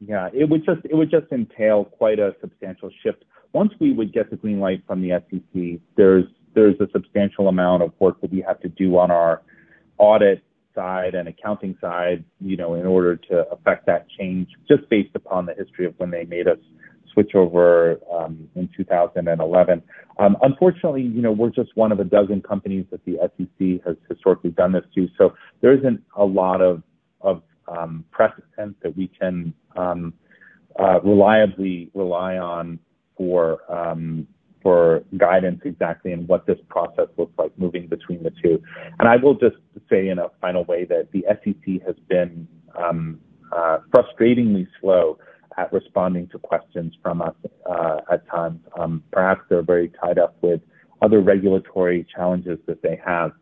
Yeah. It would just entail quite a substantial shift. Once we would get the green light from the SEC, there's a substantial amount of work that we have to do on our audit side and accounting side, you know, in order to affect that change, just based upon the history of when they made us switch over in 2011. Unfortunately, you know, we're just one of a dozen companies that the SEC has historically done this to. There isn't a lot of precedence that we can reliably rely on for guidance exactly on what this process looks like moving between the two. I will just say in a final way that the SEC has been frustratingly slow at responding to questions from us at times. Perhaps they're very tied up with other regulatory challenges that they have.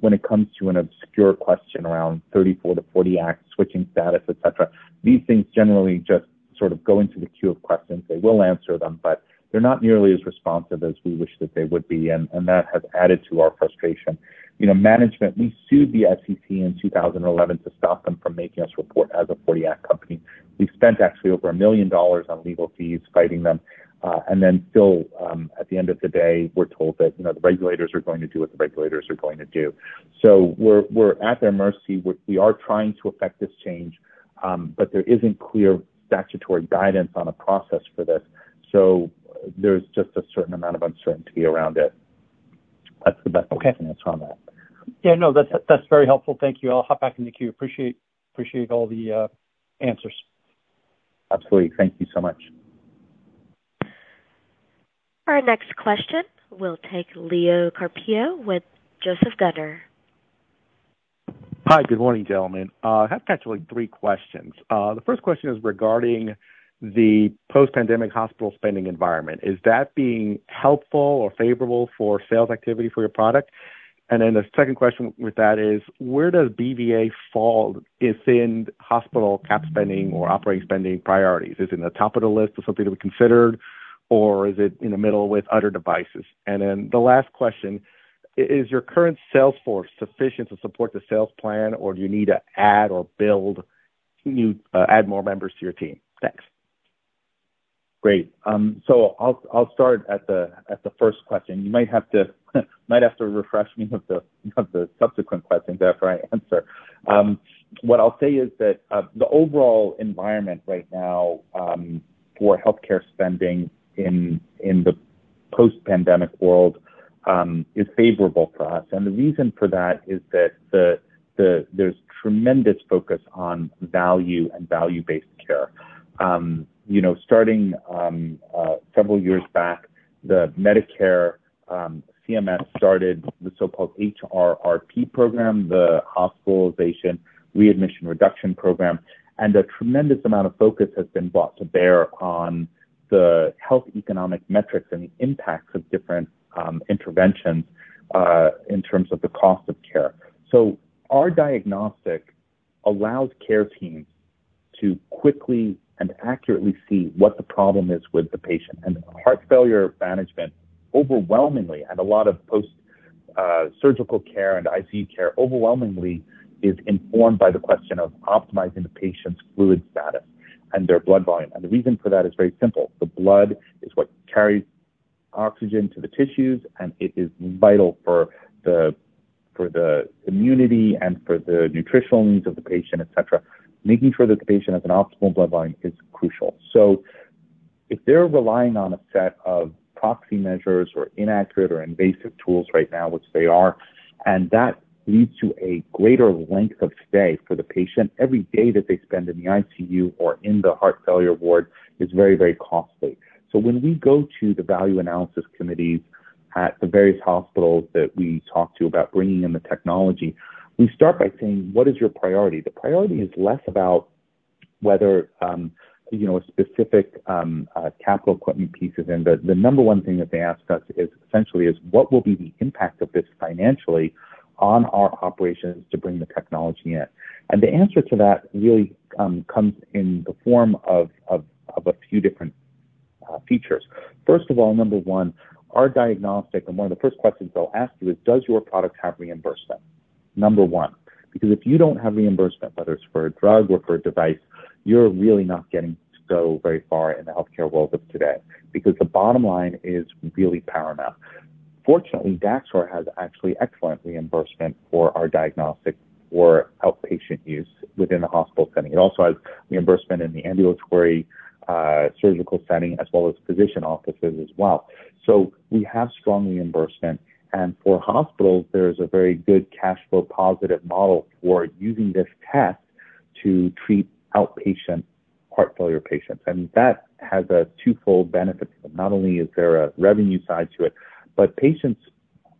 When it comes to an obscure question around 34 Act to 40 Act, switching status, et cetera, these things generally just sort of go into the queue of questions. They will answer them, but they're not nearly as responsive as we wish that they would be. That has added to our frustration. You know, management, we sued the SEC in 2011 to stop them from making us report as a 40 Act company. We spent actually over $1 million on legal fees fighting them. Still, at the end of the day, we're told that, you know, the regulators are going to do what the regulators are going to do. We're at their mercy. We are trying to affect this change. There isn't clear statutory guidance on a process for this. There's just a certain amount of uncertainty around it. Okay. Thats the best I can answer on that. Yeah. No, that's very helpful. Thank you. I'll hop back in the queue. Appreciate all the answers. Absolutely. Thank you so much. Our next question, we'll take Leo Carpio with Joseph Gunnar. Hi. Good morning, gentlemen. I have actually three questions. The first question is regarding the post-pandemic hospital spending environment. Is that being helpful or favorable for sales activity for your product? The second question with that is where does BVA fall within hospital cap spending or operating spending priorities? Is it in the top of the list of something to be considered or is it in the middle with other devices? The last question, is your current sales force sufficient to support the sales plan or do you need to add more members to your team? Thanks. Great. I'll start at the first question. You might have to refresh me of the subsequent questions after I answer. What I'll say is that the overall environment right now for healthcare spending in the post-pandemic world, is favorable for us. The reason for that is that the-- there's tremendous focus on value and value-based care. You know, starting several years back, the Medicare, CMS started the so-called HRRP program, the Hospital Readmissions Reduction Program. A tremendous amount of focus has been brought to bear on the health economic metrics and the impacts of different interventions in terms of the cost of care. Our diagnostic allows care teams to quickly and accurately see what the problem is with the patient. Heart failure management overwhelmingly, and a lot of post surgical care and ICU care overwhelmingly is informed by the question of optimizing the patient's fluid status and their blood volume. The reason for that is very simple. The blood is what carries oxygen to the tissues, and it is vital for the immunity and for the nutritional needs of the patient, et cetera. Making sure that the patient has an optimal blood volume is crucial. If they're relying on a set of proxy measures or inaccurate or invasive tools right now, which they are, and that leads to a greater length of stay for the patient, every day that they spend in the ICU or in the heart failure ward is very, very costly. When we go to the value analysis committees at the various hospitals that we talk to about bringing in the technology, we start by saying, "What is your priority?" The priority is less about whether, you know, a specific capital equipment piece is in. The number one thing that they ask us is, essentially is, "What will be the impact of this financially on our operations to bring the technology in?" The answer to that really comes in the form of a few different features. First of all, number one, our diagnostic and one of the first questions they'll ask you is, "Does your product have reimbursement?" Number one, because if you don't have reimbursement, whether it's for a drug or for a device, you're really not getting to go very far in the healthcare world of today, because the bottom line is really paramount. Fortunately, Daxor has actually excellent reimbursement for our diagnostic for outpatient use within a hospital setting. It also has reimbursement in the ambulatory surgical setting as well as physician offices as well. We have strong reimbursement. For hospitals, there's a very good cash flow positive model for using this test to treat outpatient heart failure patients. That has a twofold benefit to them. Not only is there a revenue side to it, patients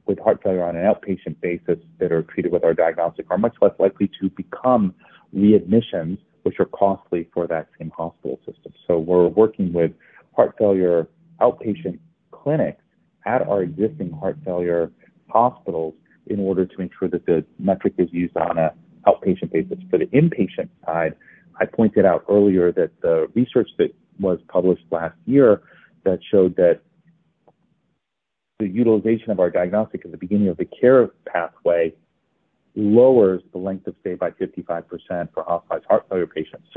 with heart failure on an outpatient basis that are treated with our diagnostic are much less likely to become readmissions, which are costly for that same hospital system. We're working with heart failure outpatient clinics at our existing heart failure hospitals in order to ensure that the metric is used on a outpatient basis. For the inpatient side, I pointed out earlier that the research that was published last year that showed that the utilization of our diagnostic at the beginning of the care pathway lowers the length of stay by 55% for hospitalized heart failure patients.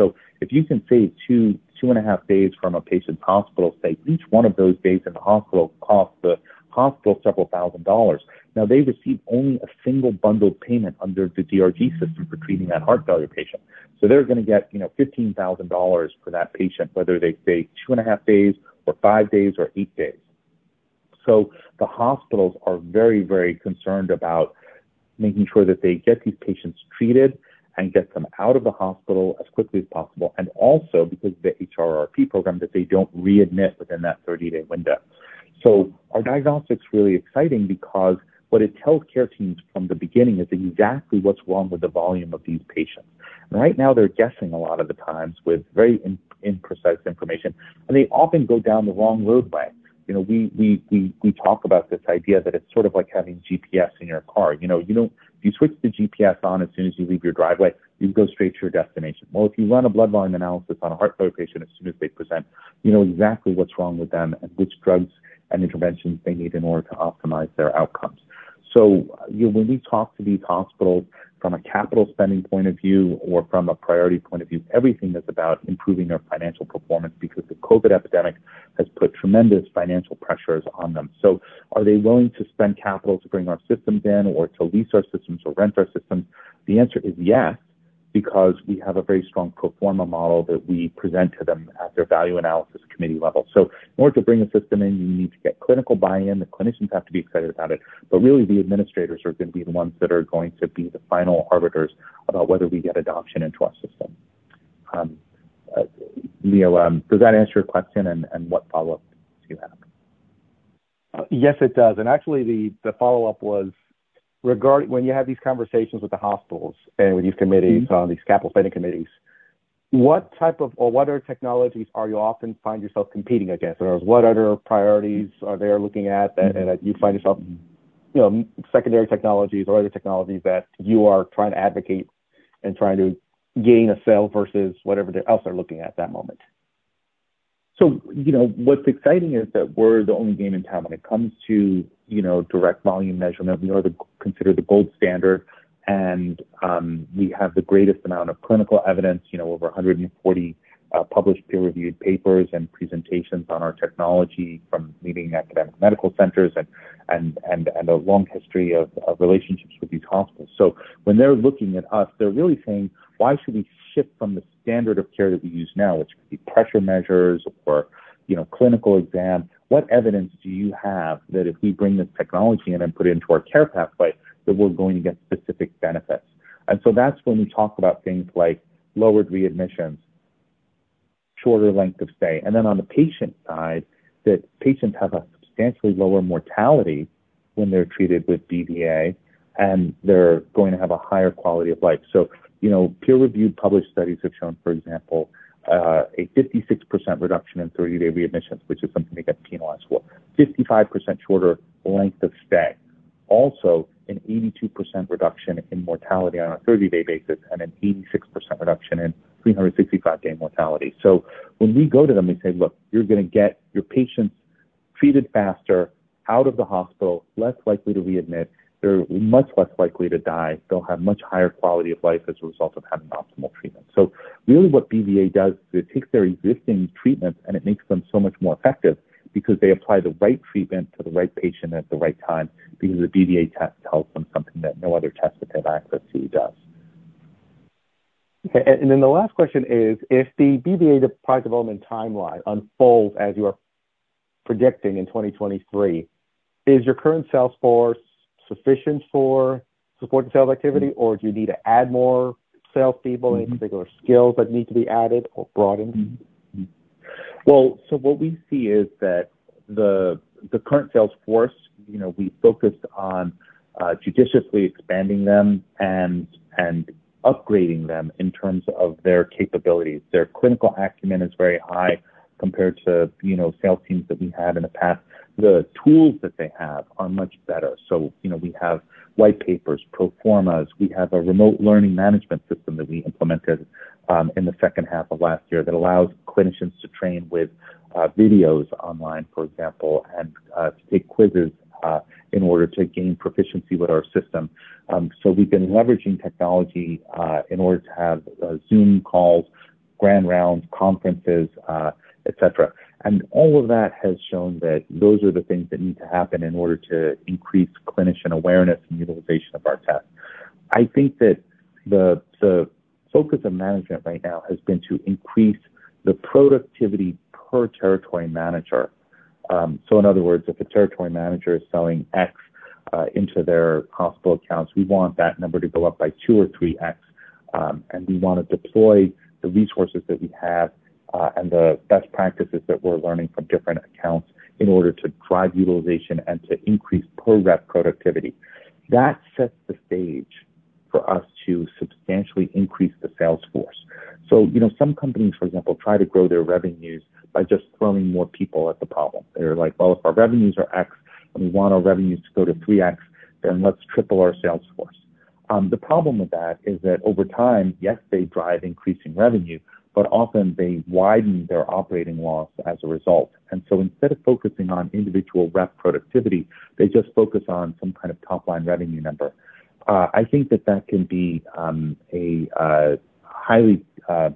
If you can save two and a half days from a patient's hospital stay, each one of those days in the hospital costs the hospital several thousand dollars. Now they receive only a single bundled payment under the DRG system for treating that heart failure patient. They're gonna get, you know, $15,000 for that patient, whether they stay two and a half days or five days or eight days. The hospitals are very concerned about making sure that they get these patients treated and get them out of the hospital as quickly as possible, and also because of the HRRP program, that they don't readmit within that 30-day window. Our diagnostic is really exciting because what it tells care teams from the beginning is exactly what's wrong with the volume of these patients. Right now, they're guessing a lot of the times with very imprecise information, and they often go down the wrong road by it. You know, we talk about this idea that it's sort of like having GPS in your car. You know, you don't. If you switch the GPS on as soon as you leave your driveway, you go straight to your destination. Well, if you run a blood volume analysis on a heart failure patient as soon as they present, you know exactly what's wrong with them and which drugs and interventions they need in order to optimize their outcomes. When we talk to these hospitals from a capital spending point of view or from a priority point of view, everything is about improving their financial performance because the COVID epidemic has put tremendous financial pressures on them. Are they willing to spend capital to bring our systems in or to lease our systems or rent our systems? The answer is yes, because we have a very strong pro forma model that we present to them at their value analysis committee level. In order to bring a system in, you need to get clinical buy-in. The clinicians have to be excited about it, but really the administrators are gonna be the ones that are going to be the final arbiters about whether we get adoption into our system. Leo, does that answer your question and what follow-up do you have? Yes, it does. Actually, the follow-up was when you have these conversations with the hospitals and with these committees. On these capital spending committees, what other technologies are you often find yourself competing against? In other words, what other priorities are they looking at that you find yourself, you know, secondary technologies or other technologies that you are trying to advocate and trying to gain a sale versus whatever else they're looking at that moment? You know, what's exciting is that we're the only game in town when it comes to, you know, direct volume measurement. We are considered the gold standard, and we have the greatest amount of clinical evidence, you know, over 140 published peer-reviewed papers and presentations on our technology from leading academic medical centers and a long history of relationships with these hospitals. When they're looking at us, they're really saying, "Why should we shift from the standard of care that we use now?" Which could be pressure measures or, you know, clinical exam. What evidence do you have that if we bring this technology in and put it into our care pathway, that we're going to get specific benefits? That's when we talk about things like lowered readmissions, shorter length of stay, and then on the patient side, that patients have a substantially lower mortality when they're treated with BVA, and they're going to have a higher quality of life. You know, peer-reviewed published studies have shown, for example, a 56% reduction in 30-day readmissions, which is something they get penalized for. 55% shorter length of stay. Also an 82% reduction in mortality on a 30-day basis and an 86% reduction in 365-day mortality. When we go to them, we say, "Look, you're gonna get your patients treated faster" Out of the hospital, less likely to readmit. They're much less likely to die. They'll have much higher quality of life as a result of having optimal treatment. Really what BVA does is it takes their existing treatments and it makes them so much more effective because they apply the right treatment to the right patient at the right time because the BVA test tells them something that no other test that they have access to does. Okay. The last question is, if the BVA product development timeline unfolds as you are predicting in 2023, is your current sales force sufficient for supporting sales activity or do you need to add more salespeople? Mm-hmm. Any particular skills that need to be added or broadened? What we see is that the current sales force, you know, we focused on judiciously expanding them and upgrading them in terms of their capabilities. Their clinical acumen is very high compared to, you know, sales teams that we had in the past. The tools that they have are much better. You know, we have white papers, pro formas. We have a remote learning management system that we implemented in the second half of last year that allows clinicians to train with videos online, for example, and to take quizzes in order to gain proficiency with our system. We've been leveraging technology in order to have Zoom calls, grand rounds, conferences, et cetera. All of that has shown that those are the things that need to happen in order to increase clinician awareness and utilization of our test. I think that the focus of management right now has been to increase the productivity per territory manager. In other words, if a territory manager is selling X into their hospital accounts, we want that number to go up by two or three X. And we want to deploy the resources that we have and the best practices that we're learning from different accounts in order to drive utilization and to increase pro rep productivity. That sets the stage for us to substantially increase the sales force. You know, some companies, for example, try to grow their revenues by just throwing more people at the problem. They're like, well, if our revenues are X and we want our revenues to go to 3X, let's triple our sales force. The problem with that is that over time, yes, they drive increasing revenue, but often they widen their operating loss as a result. Instead of focusing on individual rep productivity, they just focus on some kind of top line revenue number. I think that that can be a highly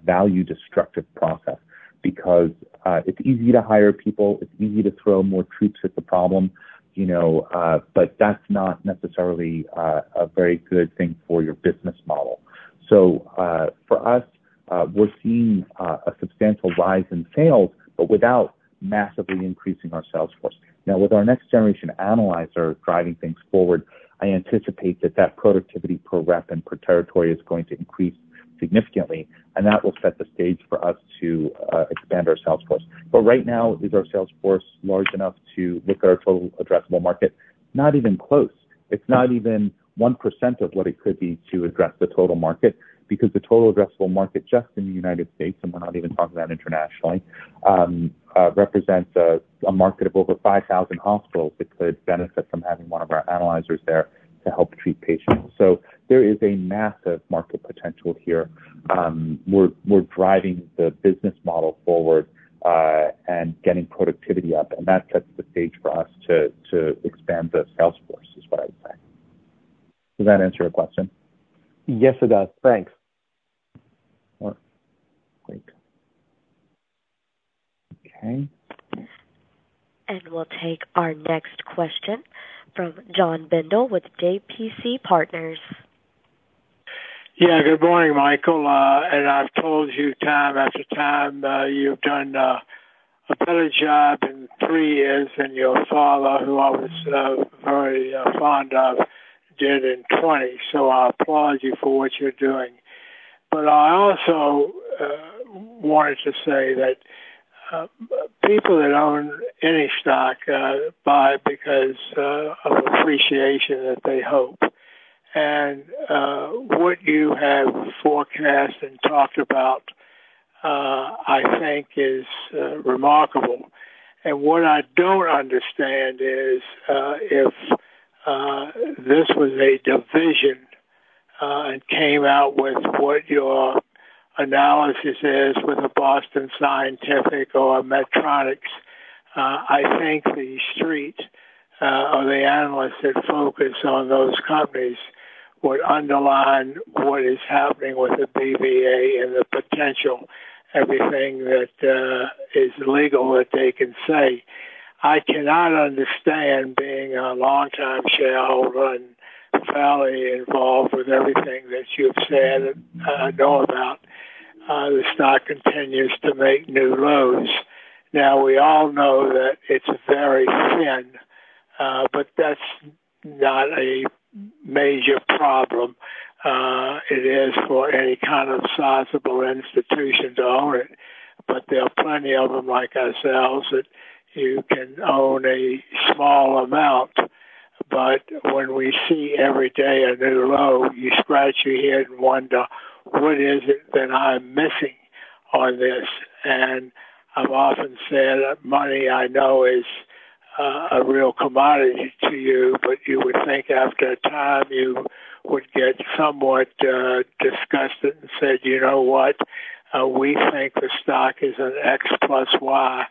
value-destructive process because it's easy to hire people, it's easy to throw more troops at the problem, you know, but that's not necessarily a very good thing for your business model. For us, we're seeing a substantial rise in sales, but without massively increasing our sales force. With our next generation analyzer driving things forward, I anticipate that productivity per rep and per territory is going to increase significantly, and that will set the stage for us to expand our sales force. Right now, is our sales force large enough to lick our total addressable market? Not even close. It's not even 1% of what it could be to address the total market, because the total addressable market just in the United States, and we're not even talking about internationally, represents a market of over 5,000 hospitals that could benefit from having one of our analyzers there to help treat patients. There is a massive market potential here. We're driving the business model forward, and getting productivity up, and that sets the stage for us to expand the sales force, is what I would say. Does that answer your question? Yes, it does. Thanks. Well, great. Okay. We'll take our next question from John [Bindle] with JPC Partners. Good morning, Michael. I've told you time after time, you've done a better job in three years than your father, who I was very fond of, did in 20. I applaud you for what you're doing. I also wanted to say that people that own any stock buy because of appreciation that they hope. What you have forecast and talked about, I think is remarkable. What I don't understand is if this was a division and came out with what your analysis is with a Boston Scientific or a Medtronic, I think the street or the analysts that focus on those companies would underline what is happening with the BVA and the potential, everything that is legal that they can say. I cannot understand, being a longtime shareholder and thoroughly involved with everything that you've said and I know about, the stock continues to make new lows. We all know that it's very thin, but that's not a major problem. It is for any kind of sizable institution to own it, but there are plenty of them like ourselves, that you can own a small amount. When we see every day a new low, you scratch your head and wonder, what is it that I'm missing on this? I've often said that money I know is a real commodity to you, but you would think after a time you would get somewhat disgusted and said, "You know what? We think the stock is an X plus Y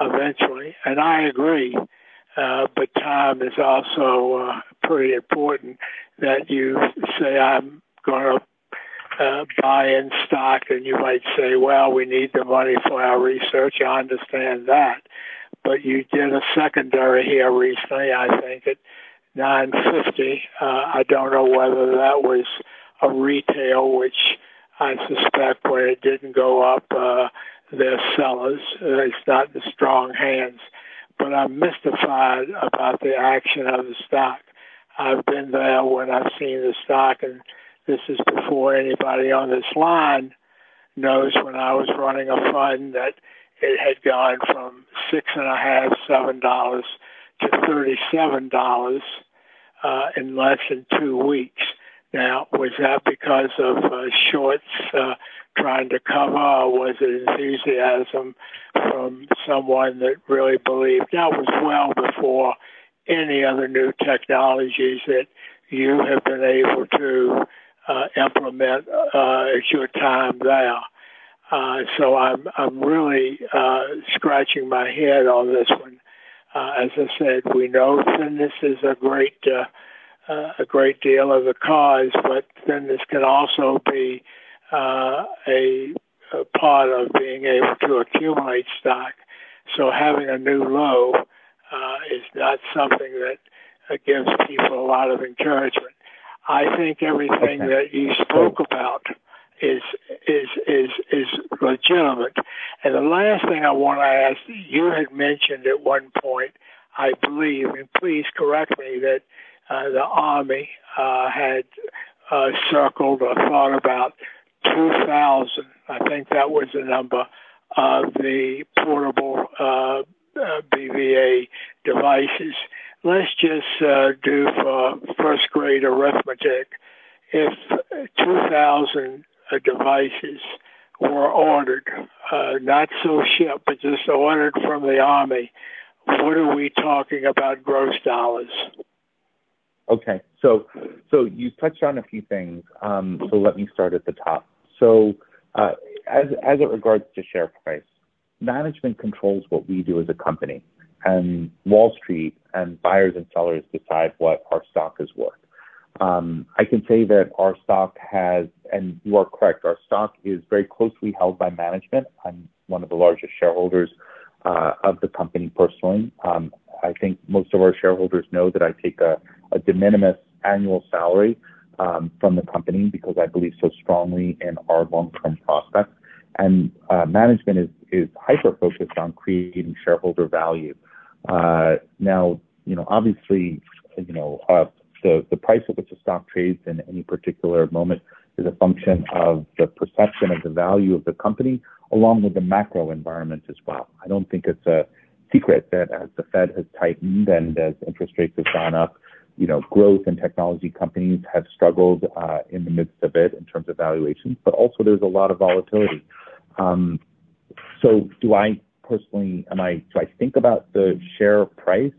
eventually." I agree. But time is also pretty important that you say, I'm going to buy in stock. You might say, "Well, we need the money for our research." I understand that. You did a secondary here recently, I think at $9.50. I don't know whether that was a retail, which I suspect when it didn't go up, their sellers, it's not the strong hands. I'm mystified about the action of the stock. I've been there when I've seen the stock, and this is before anybody on this line knows when I was running a fund, that it had gone from $6.50, $7 to $37 in less than two weeks. Was that because of shorts trying to cover, or was it enthusiasm from someone that really believed. That was well before any other new technologies that you have been able to implement at your time there. I'm really scratching my head on this one. As I said, we know and this is a great, a great deal of the cause, but thinness can also be a part of being able to accumulate stock. Having a new low is that something that gives people a lot of encouragement? I think everything that you spoke about is legitimate. The last thing I want to ask, you had mentioned at one point, I believe, and please correct me, that the Army had circled or thought about 2,000, I think that was the number, of the portable BVA devices. Let's just do for first-grade arithmetic. If 2,000 devices were ordered, not so shipped, but just ordered from the Army, what are we talking about gross dollars? Okay. You touched on a few things. Let me start at the top. As it regards to share price, management controls what we do as a company, and Wall Street and buyers and sellers decide what our stock is worth. I can say that our stock has. You are correct, our stock is very closely held by management. I'm one of the largest shareholders of the company personally. I think most of our shareholders know that I take a de minimis annual salary from the company because I believe so strongly in our long-term prospects. Management is hyper-focused on creating shareholder value. Now, you know, obviously, you know, the price at which a stock trades in any particular moment is a function of the perception of the value of the company, along with the macro environment as well. I don't think it's a secret that as the Fed has tightened and as interest rates have gone up, you know, growth in technology companies have struggled in the midst of it in terms of valuations, but also there's a lot of volatility. Do I personally think about the share price?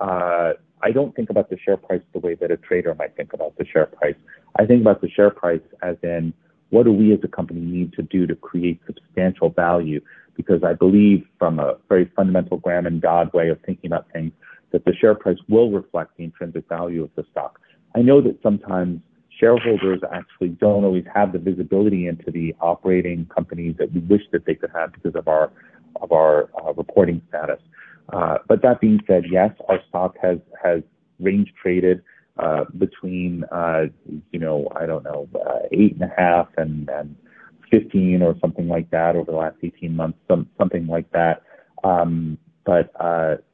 I don't think about the share price the way that a trader might think about the share price. I think about the share price as in, what do we as a company need to do to create substantial value? Because I believe from a very fundamental Graham and Dodd way of thinking about things, that the share price will reflect the intrinsic value of the stock. I know that sometimes shareholders actually don't always have the visibility into the operating companies that we wish that they could have because of our reporting status. That being said, yes, our stock has range traded between, you know, I don't know, eight and a half and 15 or something like that over the last 18 months, something like that.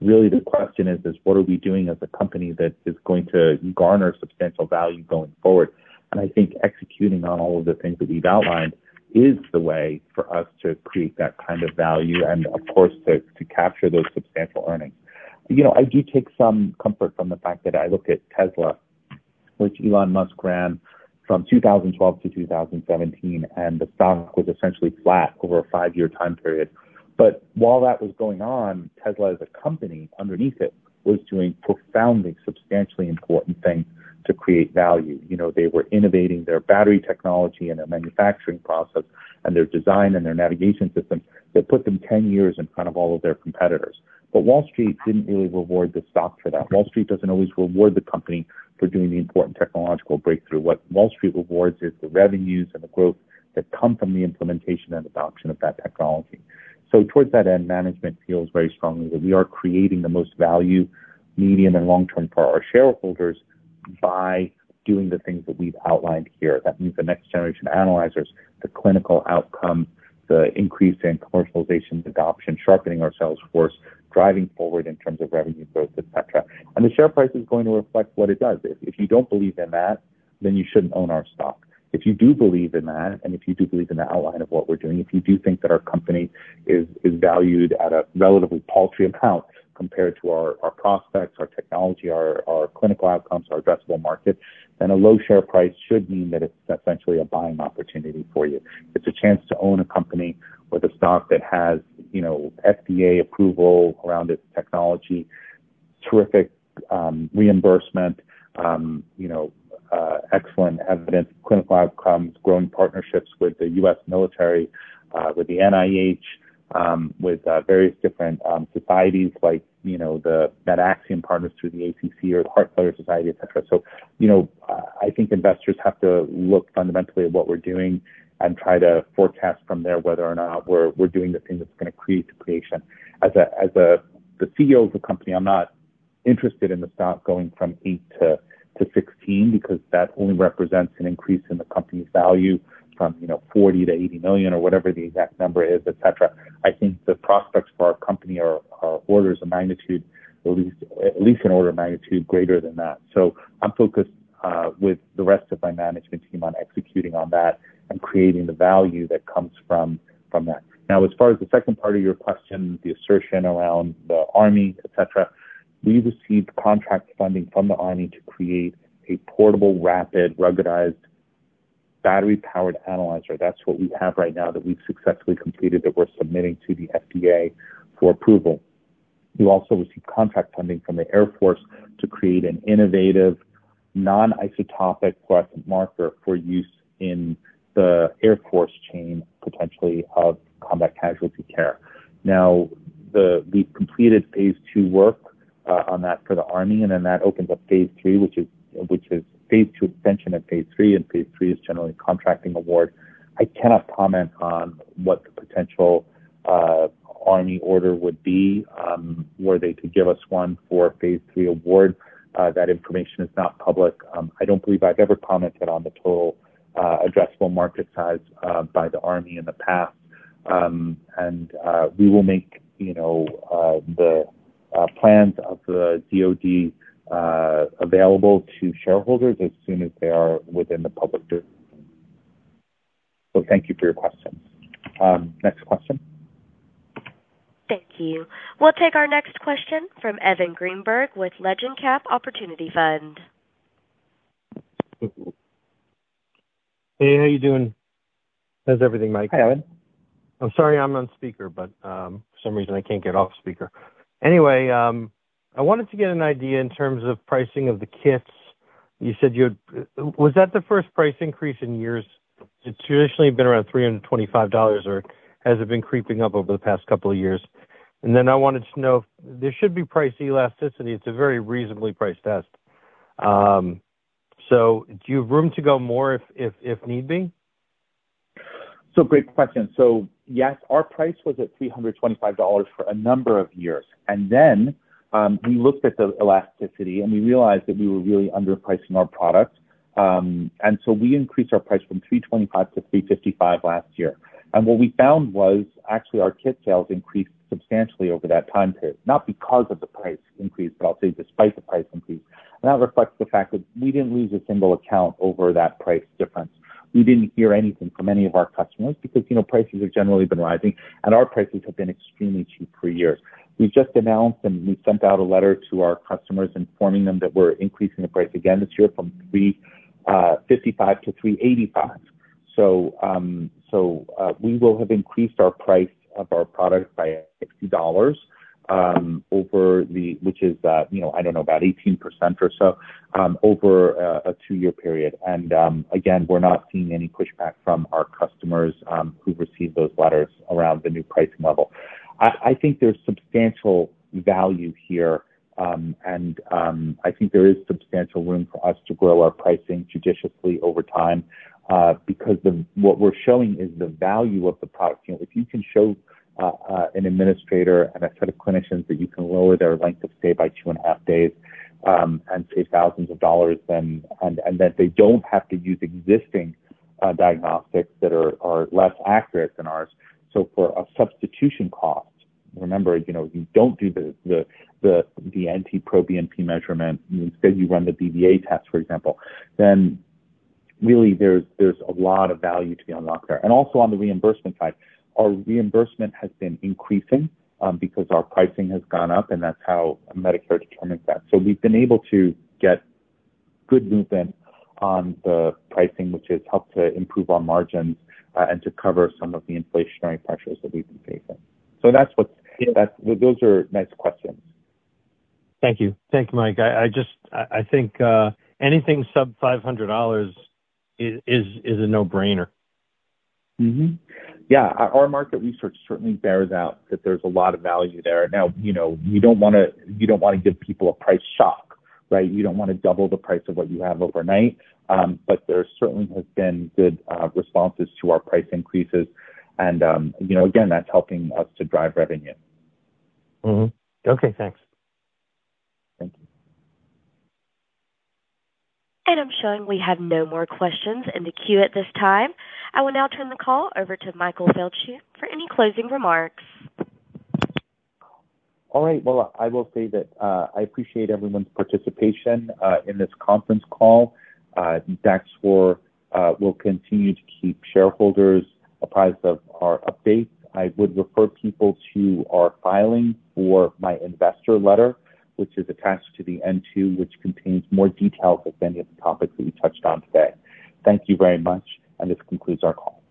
Really the question is what are we doing as a company that is going to garner substantial value going forward? I think executing on all of the things that we've outlined is the way for us to create tat kind of value and of course, to capture those substantial earnings. You know, I do take some comfort from the fact that I look at Tesla, which Elon Musk ran from 2012 to 2017, and the stock was essentially flat over a five-year time period. While that was going on, Tesla as a company underneath it, was doing profoundly substantially important things to create value. You know, they were innovating their battery technology and their manufacturing process and their design and their navigation systems that put them 10 years in front of all of their competitors. Wall Street didn't really reward the stock for that. Wall Street doesn't always reward the company for doing the important technological breakthrough. What Wall Street rewards is the revenues and the growth that come from the implementation and adoption of that technology. Towards that end, management feels very strongly that we are creating the most value, medium and long-term, for our shareholders by doing the things that we've outlined here. That means the next generation analyzers, the clinical outcome, the increase in commercialization, adoption, sharpening our sales force, driving forward in terms of revenue growth, et cetera. The share price is going to reflect what it does. If you don't believe in that, then you shouldn't own our stock. If you do believe in that, if you do believe in the outline of what we're doing, if you do think that our company is valued at a relatively paltry amount compared to our prospects, our technology, our clinical outcomes, our addressable market, then a low share price should mean that it's essentially a buying opportunity for you. It's a chance to own a company with a stock that has, you know, FDA approval around its technology, terrific reimbursement, you know, excellent evidence, clinical outcomes, growing partnerships with the U.S. military, with the NIH, with various different societies like, you know, the MedAxiom partners through the ACC or the Heart Failure Society, et cetera. You know, I think investors have to look fundamentally at what we're doing and try to forecast from there whether or not we're doing the thing that's gonna create the creation. As the CEO of the company, I'm not interested in the stock going from eight to 16 because that only represents an increase in the company's value from, you know, $40 million-$80 million or whatever the exact number is, et cetera. I think the prospects for our company are orders of magnitude, at least an order of magnitude greater than that. I'm focused with the rest of my management team on executing on that and creating the value that comes from that. As far as the second part of your question, the assertion around the Army, et cetera, we received contract funding from the Army to create a portable, rapid, ruggedized battery-powered analyzer. That's what we have right now that we've successfully completed, that we're submitting to the FDA for approval. We also received contract funding from the Air Force to create an innovative non-isotopic fluorescent marker for use in the Air Force chain, potentially of combat casualty care. We've completed phase two work on that for the Army, and then that opens up phase III, which is phase II extension and phase III, and phase III is generally contracting award. I cannot comment on what the potential on the order would be, were they to give us one for phase III award. That information is not public. I don't believe I've ever commented on the total addressable market size by the Army in the past. We will make, you know, the plans of the DoD available to shareholders as soon as they are within the public. Thank you for your question. Next question. Thank you. We'll take our next question from Evan Greenberg with Legend Cap Opportunity Fund. Hey, how you doing? How's everything, Mike? Hi, Evan. I'm sorry I'm on speaker, for some reason I can't get off speaker. Anyway, I wanted to get an idea in terms of pricing of the kits. Was that the first price increase in years? It's traditionally been around $325, or has it been creeping up over the past couple of years? I wanted to know, there should be price elasticity. It's a very reasonably priced test. Do you have room to go more if need be? Great question. Yes, our price was at $325 for a number of years, and then we looked at the elasticity, and we realized that we were really underpricing our product. We increased our price from $325-$355 last year. What we found was actually our kit sales increased substantially over that time period, not because of the price increase, but I'll say despite the price increase. That reflects the fact that we didn't lose a single account over that price difference. We didn't hear anything from any of our customers because, you know, prices have generally been rising, and our prices have been extremely cheap for years. We just announced, and we sent out a letter to our customers informing them that we're increasing the price again this year from $355-$385. We will have increased our price of our product by $60 over the which is, you know, I don't know, about 18% or so over a two-year period. Again, we're not seeing any pushback from our customers who've received those letters around the new pricing level. I think there's substantial value here. I think there is substantial room for us to grow our pricing judiciously over time because what we're showing is the value of the product. You know, if you can show an administrator and a set of clinicians that you can lower their length of stay by two and a half days, and save thousands of dollars then, and that they don't have to use existing diagnostics that are less accurate than ours. For a substitution cost, remember, you know, you don't do the NT-proBNP measurement and instead you run the BVA test, for example, then really there's a lot of value to be unlocked there. Also on the reimbursement side, our reimbursement has been increasing because our pricing has gone up, and that's how Medicare determines that. We've been able to get good movement on the pricing, which has helped to improve our margins and to cover some of the inflationary pressures that we've been facing. Those are nice questions. Thank you. Thank you, Mike. I think anything sub $500 is a no-brainer. Yeah. Our market research certainly bears out that there's a lot of value there. You know, you don't wanna, you don't wanna give people a price shock, right? You don't wanna double the price of what you have overnight. There certainly has been good responses to our price increases and, you know, again, that's helping us to drive revenue. Mm-hmm. Okay, thanks. Thank you. I'm showing we have no more questions in the queue at this time. I will now turn the call over to Michael Feldschuh for any closing remarks. All right. Well, I will say that, I appreciate everyone's participation in this conference call. Daxor will continue to keep shareholders apprised of our updates. I would refer people to our filing for my investor letter, which is attached to the N-2, which contains more details of many of the topics that we touched on today. Thank you very much. This concludes our call.